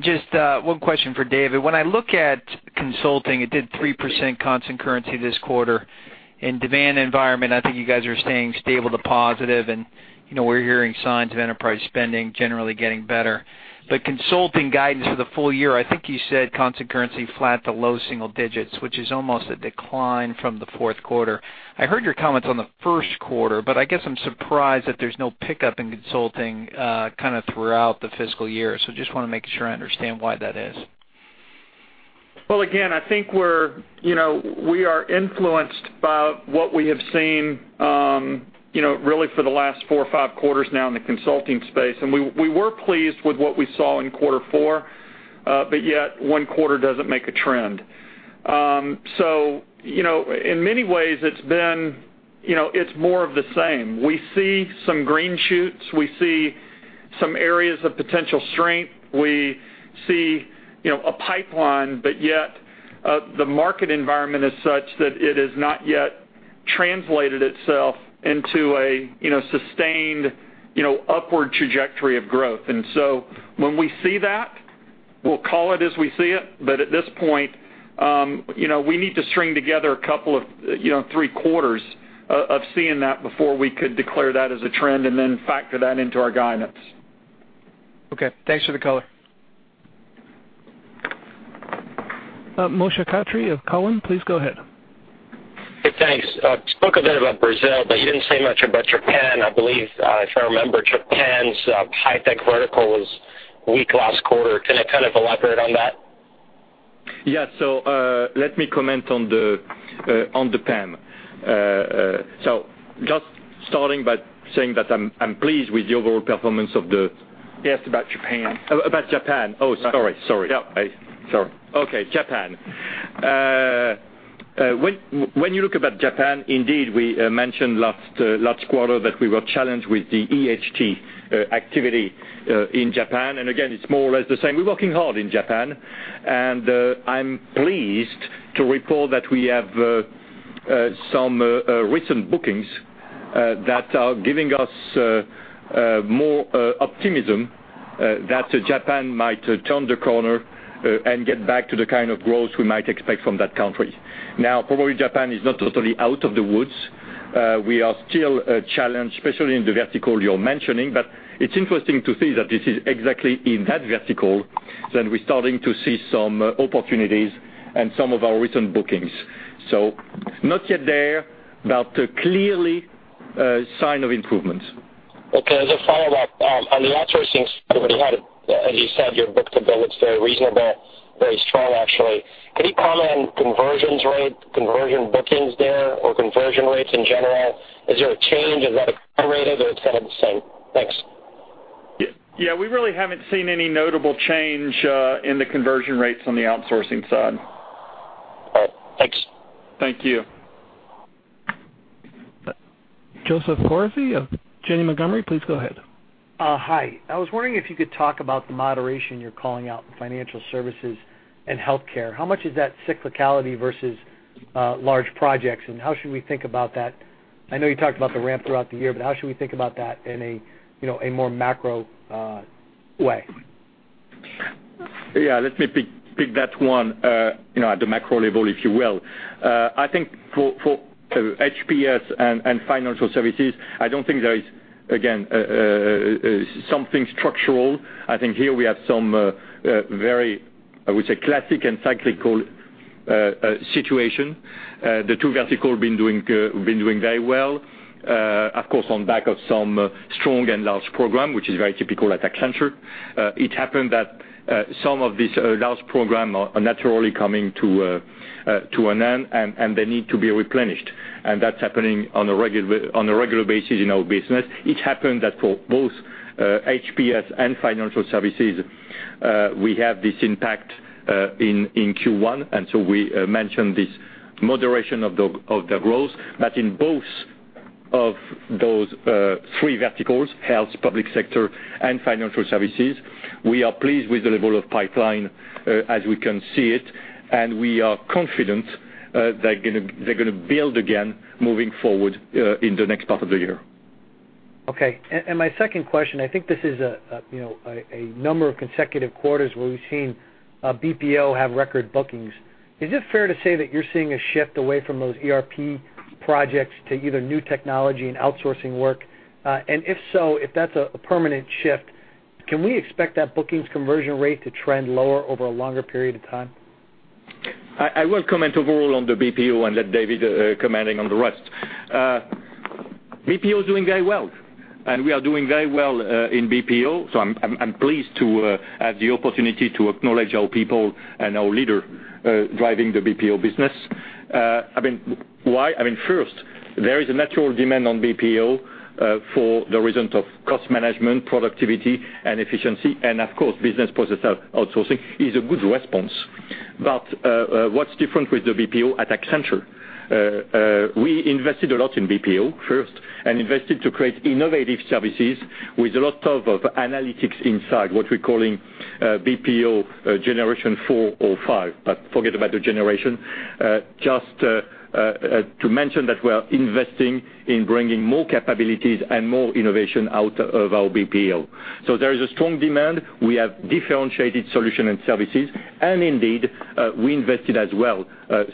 Just one question for David. When I look at consulting, it did 3% constant currency this quarter. In demand environment, I think you guys are staying stable to positive, and we're hearing signs of enterprise spending generally getting better. Consulting guidance for the full year, I think you said constant currency flat to low single digits, which is almost a decline from the fourth quarter. I heard your comments on the first quarter, I guess I'm surprised that there's no pickup in consulting throughout the fiscal year. Just want to make sure I understand why that is. Again, I think we are influenced by what we have seen really for the last four or five quarters now in the consulting space. We were pleased with what we saw in quarter four, yet one quarter doesn't make a trend. In many ways, it's more of the same. We see some green shoots. We see some areas of potential strength. We see a pipeline, yet the market environment is such that it has not yet translated itself into a sustained upward trajectory of growth. When we see that, we'll call it as we see it. At this point, we need to string together a couple of three quarters of seeing that before we could declare that as a trend and then factor that into our guidance. Okay. Thanks for the color. Moshe Katri of Cowen, please go ahead. Thanks. Spoke a bit about Brazil, but you didn't say much about Japan. I believe, if I remember, Japan's high-tech vertical was weak last quarter. Can you elaborate on that? Yeah. Let me comment on Japan. Just starting by saying that I'm pleased with the overall performance of the He asked about Japan. About Japan. Oh, sorry. Yeah. Sorry. Okay, Japan. When you look about Japan, indeed, we mentioned last quarter that we were challenged with the EHT activity in Japan. Again, it's more or less the same. We're working hard in Japan, and I'm pleased to report that we have some recent bookings that are giving us more optimism that Japan might turn the corner and get back to the kind of growth we might expect from that country. Probably Japan is not totally out of the woods. We are still challenged, especially in the vertical you're mentioning. It's interesting to see that this is exactly in that vertical that we're starting to see some opportunities and some of our recent bookings. Not yet there, but clearly a sign of improvements. Okay. As a follow-up, on the outsourcing side, as you said, your book-to-bill, it's very reasonable, very strong, actually. Could you comment on conversions rate, conversion bookings there, or conversion rates in general? Is there a change? Has that accelerated or is that the same? Thanks. Yeah, we really haven't seen any notable change in the conversion rates on the outsourcing side. All right. Thanks. Thank you. Joseph Foresi of Janney Montgomery, please go ahead. Hi. I was wondering if you could talk about the moderation you're calling out in financial services and healthcare. How much is that cyclicality versus large projects, and how should we think about that? I know you talked about the ramp throughout the year, but how should we think about that in a more macro way? Yeah, let me pick that one at the macro level, if you will. I think for H&PS and financial services, I don't think there is, again, something structural. I think here we have some very, I would say, classic and cyclical situation. The two vertical have been doing very well, of course, on back of some strong and large program, which is very typical at Accenture. It happened that some of these large program are naturally coming to an end, and they need to be replenished. That's happening on a regular basis in our business. It happened that for both H&PS and financial services, we have this impact in Q1, and so we mentioned this moderation of the growth. In both of those three verticals, health, public sector, and financial services, we are pleased with the level of pipeline as we can see it, and we are confident they're going to build again moving forward in the next part of the year. Okay. My second question, I think this is a number of consecutive quarters where we've seen BPO have record bookings. Is it fair to say that you're seeing a shift away from those ERP projects to either new technology and outsourcing work? If so, if that's a permanent shift, can we expect that bookings conversion rate to trend lower over a longer period of time? I will comment overall on the BPO and let David commenting on the rest. BPO is doing very well, we are doing very well in BPO. I'm pleased to have the opportunity to acknowledge our people and our leader driving the BPO business. Why? First, there is a natural demand on BPO for the reasons of cost management, productivity, and efficiency, and of course, business process outsourcing is a good response. What's different with the BPO at Accenture, we invested a lot in BPO first and invested to create innovative services with a lot of analytics inside, what we're calling BPO generation four or five. Forget about the generation. Just to mention that we are investing in bringing more capabilities and more innovation out of our BPO. There is a strong demand. We have differentiated solution and services, indeed, we invested as well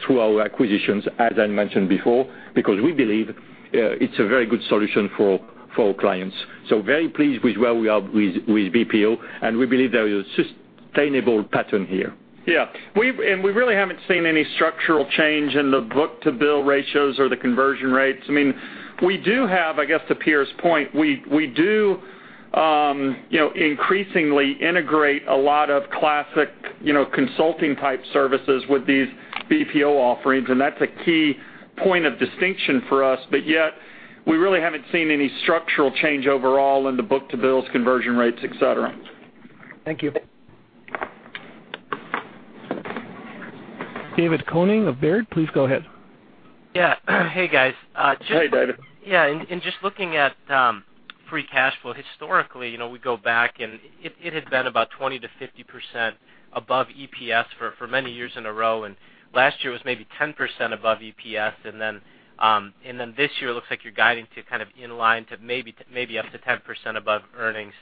through our acquisitions, as I mentioned before, because we believe it's a very good solution for our clients. Very pleased with where we are with BPO, and we believe there is a sustainable pattern here. Yeah. We really haven't seen any structural change in the book-to-bill ratios or the conversion rates. We do have, I guess to Pierre's point, we do increasingly integrate a lot of classic consulting-type services with these BPO offerings, and that's a key point of distinction for us. Yet, we really haven't seen any structural change overall in the book-to-bills, conversion rates, et cetera. Thank you. David Koning of Baird, please go ahead. Yeah. Hey, guys. Hey, David. Yeah. In just looking at free cash flow historically, we go back and it had been about 20%-50% above EPS for many years in a row, and last year was maybe 10% above EPS. This year, looks like you're guiding to kind of in line to maybe up to 10% above earnings.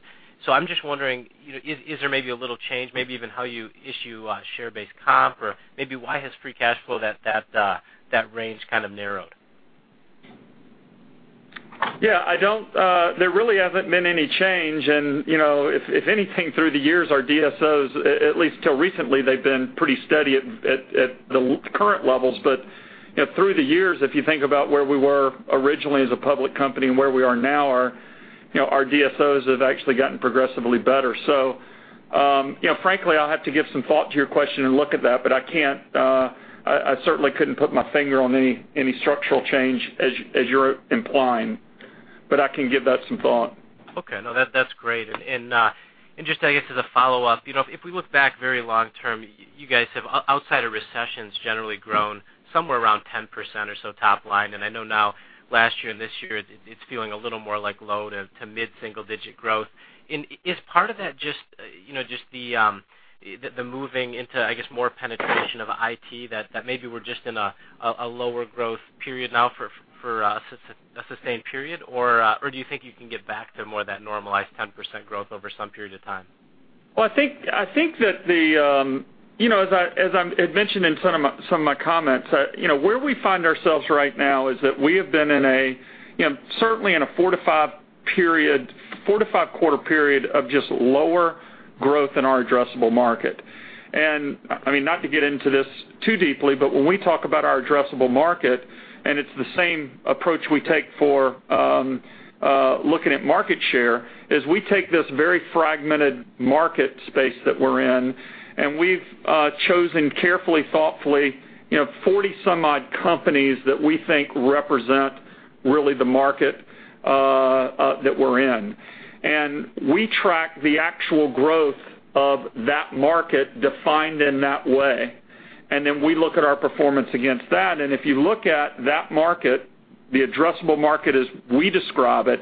I'm just wondering, is there maybe a little change, maybe even how you issue share-based comp or maybe why has free cash flow, that range kind of narrowed? Yeah, there really hasn't been any change. If anything, through the years, our DSOs, at least till recently, they've been pretty steady at the current levels. Through the years, if you think about where we were originally as a public company and where we are now, our DSOs have actually gotten progressively better. Frankly, I'll have to give some thought to your question and look at that, but I certainly couldn't put my finger on any structural change as you're implying. I can give that some thought. Okay. No, that's great. Just, I guess, as a follow-up, if we look back very long-term, you guys have, outside of recessions, generally grown somewhere around 10% or so top line. I know now, last year and this year, it's feeling a little more like low to mid-single digit growth. Is part of that just the moving into, I guess, more penetration of IT that maybe we're just in a lower growth period now for a sustained period, or do you think you can get back to more of that normalized 10% growth over some period of time? Well, I think that. As I mentioned in some of my comments, where we find ourselves right now is that we have been certainly in a four to five-quarter period of just lower growth in our addressable market. Not to get into this too deeply, but when we talk about our addressable market, and it's the same approach we take for looking at market share, is we take this very fragmented market space that we're in, and we've chosen carefully, thoughtfully 40 some odd companies that we think represent really the market that we're in. We track the actual growth of that market defined in that way, and then we look at our performance against that. If you look at that market, the addressable market as we describe it,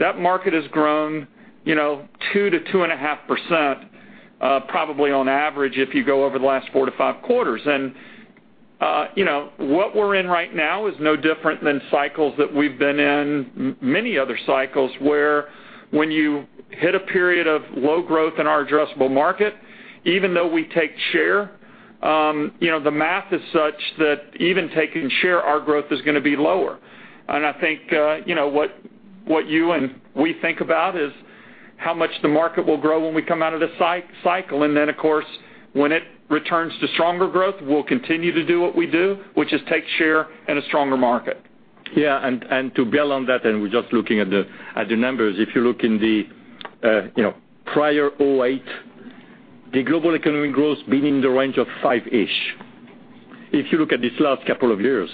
that market has grown 2%-2.5%, probably on average, if you go over the last four to five quarters. What we're in right now is no different than cycles that we've been in, many other cycles where when you hit a period of low growth in our addressable market, even though we take share, the math is such that even taking share, our growth is going to be lower. I think, what you and we think about is how much the market will grow when we come out of this cycle. Then, of course, when it returns to stronger growth, we'll continue to do what we do, which is take share in a stronger market. Yeah, to build on that, we're just looking at the numbers. If you look in the prior 2008, the global economic growth been in the range of five-ish. If you look at these last couple of years,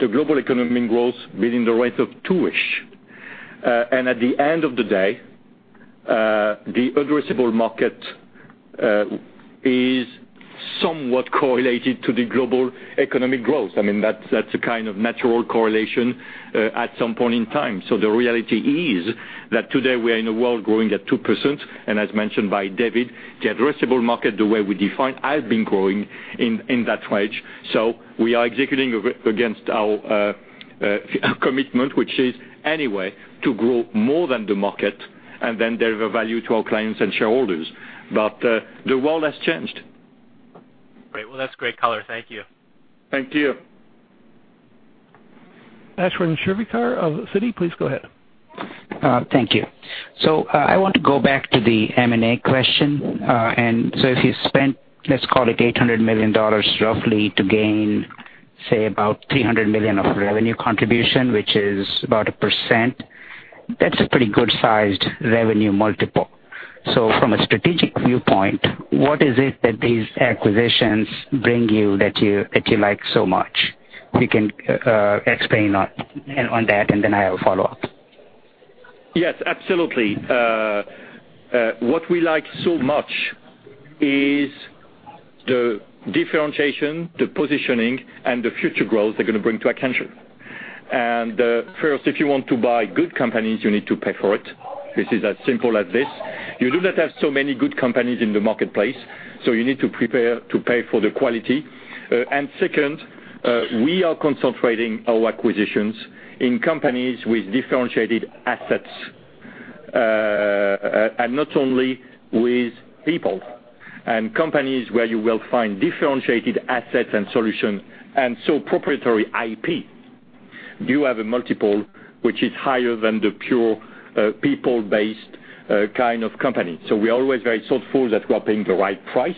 the global economic growth been in the range of two-ish. At the end of the day, the addressable market is somewhat correlated to the global economic growth. That's a kind of natural correlation at some point in time. The reality is that today we are in a world growing at 2%, and as mentioned by David, the addressable market, the way we define has been growing in that range. We are executing against our commitment, which is anyway to grow more than the market, then deliver value to our clients and shareholders. The world has changed. Great. Well, that's great color. Thank you. Thank you. Ashwin Shirvaikar of Citi, please go ahead. Thank you. I want to go back to the M&A question. If you spent, let's call it $800 million roughly to gain, say, about $300 million of revenue contribution, which is about a percent, that's a pretty good-sized revenue multiple. From a strategic viewpoint, what is it that these acquisitions bring you that you like so much? If you can explain on that, I have a follow-up. Yes, absolutely. What we like so much is the differentiation, the positioning, and the future growth they're going to bring to Accenture. First, if you want to buy good companies, you need to pay for it. This is as simple as this. You do not have so many good companies in the marketplace, you need to prepare to pay for the quality. Second, we are concentrating our acquisitions in companies with differentiated assets, and not only with people. Companies where you will find differentiated assets and solutions, and so proprietary IP. You have a multiple which is higher than the pure people-based kind of company. We are always very thoughtful that we are paying the right price,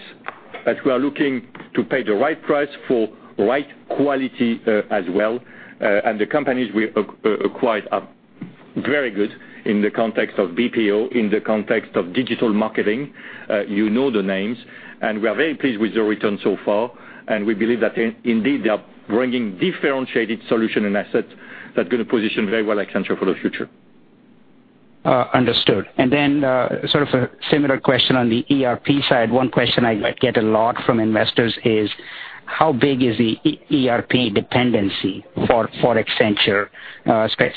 that we are looking to pay the right price for right quality as well. The companies we acquired are very good in the context of BPO, in the context of digital marketing. You know the names. We are very pleased with the return so far. We believe that indeed they are bringing differentiated solution and assets that are going to position very well Accenture for the future. Understood. Then sort of a similar question on the ERP side. One question I get a lot from investors is how big is the ERP dependency for Accenture,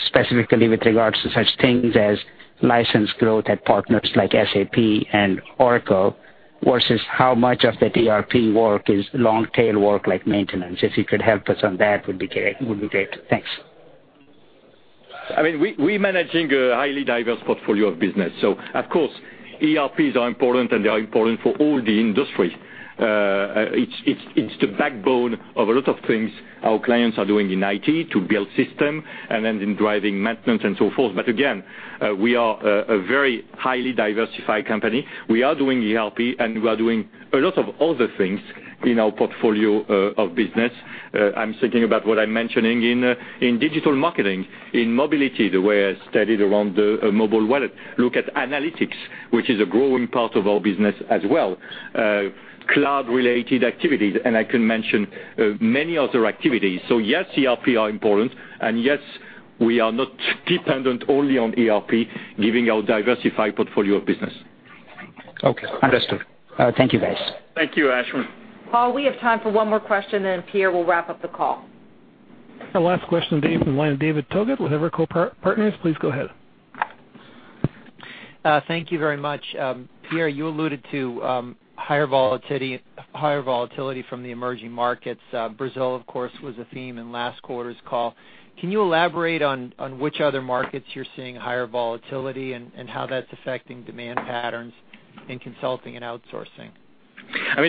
specifically with regards to such things as license growth at partners like SAP and Oracle, versus how much of the ERP work is long tail work like maintenance? If you could help us on that, would be great. Thanks. We are managing a highly diverse portfolio of business. Of course, ERPs are important. They are important for all the industry. It's the backbone of a lot of things our clients are doing in IT to build system and then in driving maintenance and so forth. Again, we are a very highly diversified company. We are doing ERP. We are doing a lot of other things in our portfolio of business. I'm thinking about what I'm mentioning in digital marketing, in mobility, the way I studied around the mobile wallet. Look at analytics, which is a growing part of our business as well. Cloud-related activities. I can mention many other activities. Yes, ERP are important. Yes, we are not dependent only on ERP, giving our diversified portfolio of business. Okay. Understood. Thank you, guys. Thank you, Ashwin. Paul, we have time for one more question, then Pierre will wrap up the call. Our last question today from the line of David Togut with Evercore Partners. Please go ahead. Thank you very much. Pierre, you alluded to higher volatility from the emerging markets. Brazil, of course, was a theme in last quarter's call. Can you elaborate on which other markets you're seeing higher volatility and how that's affecting demand patterns in consulting and outsourcing?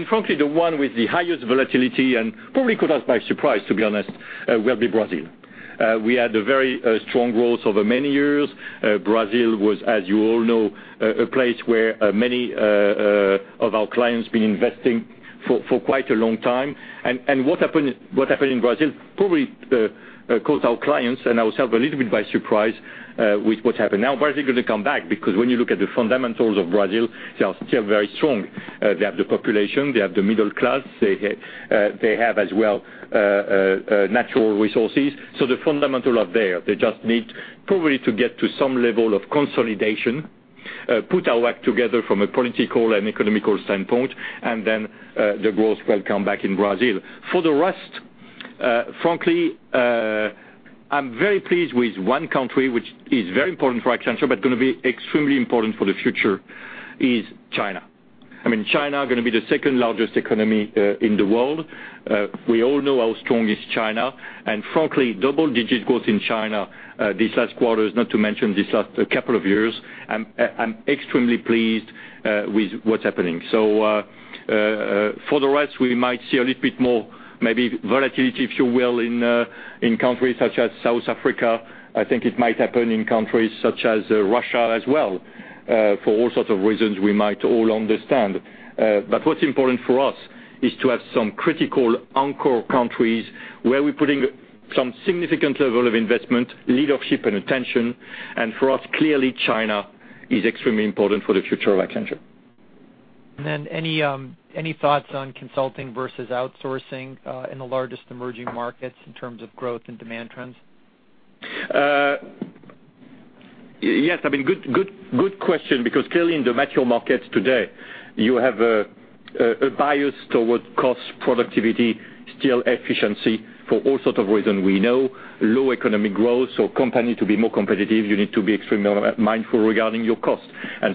Frankly, the one with the highest volatility, probably caught us by surprise, to be honest, will be Brazil. We had a very strong growth over many years. Brazil was, as you all know, a place where many of our clients been investing for quite a long time. What happened in Brazil probably caught our clients and ourselves a little bit by surprise with what happened. Brazil going to come back because when you look at the fundamentals of Brazil, they are still very strong. They have the population, they have the middle class, they have as well natural resources. The fundamentals are there. They just need probably to get to some level of consolidation. Put our act together from a political and economical standpoint, the growth will come back in Brazil. For the rest, frankly, I'm very pleased with one country, which is very important for Accenture, going to be extremely important for the future, is China. China is going to be the second-largest economy in the world. We all know how strong is China, frankly, double-digit growth in China this last quarter, not to mention these last couple of years, I'm extremely pleased with what's happening. For the rest, we might see a little bit more maybe volatility, if you will, in countries such as South Africa. I think it might happen in countries such as Russia as well, for all sorts of reasons we might all understand. What's important for us is to have some critical anchor countries where we're putting some significant level of investment, leadership, and attention. For us, clearly, China is extremely important for the future of Accenture. Any thoughts on consulting versus outsourcing in the largest emerging markets in terms of growth and demand trends? Yes, good question, because clearly in the mature markets today, you have a bias towards cost productivity, still efficiency for all sorts of reasons we know, low economic growth. Company to be more competitive, you need to be extremely mindful regarding your cost.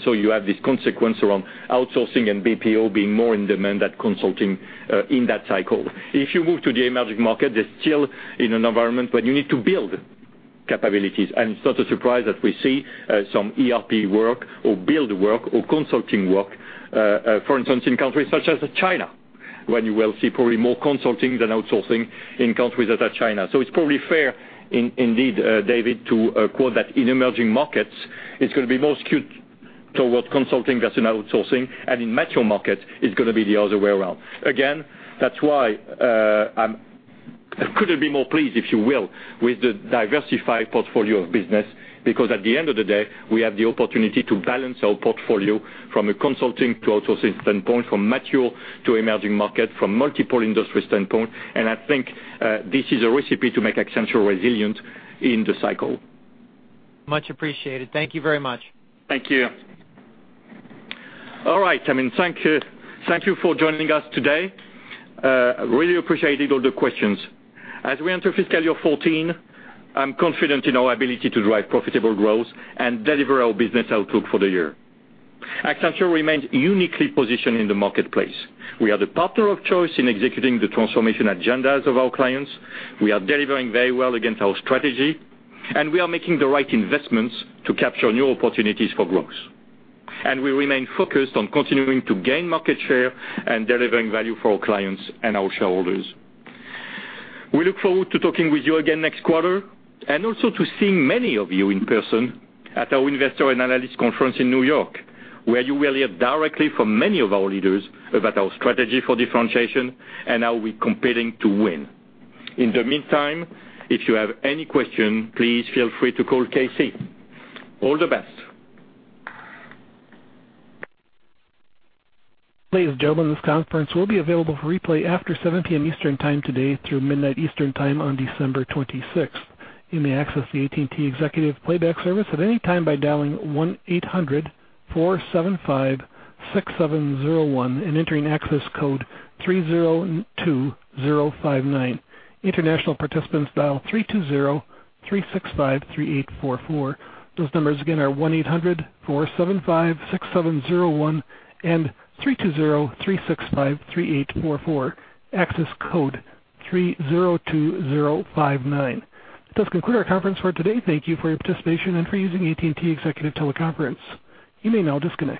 You have this consequence around outsourcing and BPO being more in demand than consulting in that cycle. If you move to the emerging market, they're still in an environment where you need to build capabilities. It's not a surprise that we see some ERP work or build work or consulting work, for instance, in countries such as China, where you will see probably more consulting than outsourcing in countries such as China. It's probably fair, indeed, David, to quote that in emerging markets, it's going to be more skewed towards consulting versus outsourcing, and in mature markets, it's going to be the other way around. That's why I couldn't be more pleased, if you will, with the diversified portfolio of business. At the end of the day, we have the opportunity to balance our portfolio from a consulting to outsourcing standpoint, from mature to emerging market, from multiple industry standpoint, and I think this is a recipe to make Accenture resilient in the cycle. Much appreciated. Thank you very much. Thank you. All right. Thank you for joining us today. Really appreciated all the questions. As we enter fiscal year 2014, I'm confident in our ability to drive profitable growth and deliver our business outlook for the year. Accenture remains uniquely positioned in the marketplace. We are the partner of choice in executing the transformation agendas of our clients. We are delivering very well against our strategy, and we are making the right investments to capture new opportunities for growth. We remain focused on continuing to gain market share and delivering value for our clients and our shareholders. We look forward to talking with you again next quarter, and also to seeing many of you in person at our Investor and Analyst Conference in New York, where you will hear directly from many of our leaders about our strategy for differentiation and how we're competing to win. In the meantime, if you have any question, please feel free to call KC. All the best. Ladies and gentlemen, this conference will be available for replay after 7:00 P.M. Eastern Time today through midnight Eastern Time on December 26th. You may access the AT&T Executive Playback Service at any time by dialing 1-800-475-6701 and entering access code 302059. International participants dial 320-365-3844. Those numbers again are 1-800-475-6701 and 320-365-3844. Access code 302059. This does conclude our conference for today. Thank you for your participation and for using AT&T Executive Teleconference. You may now disconnect.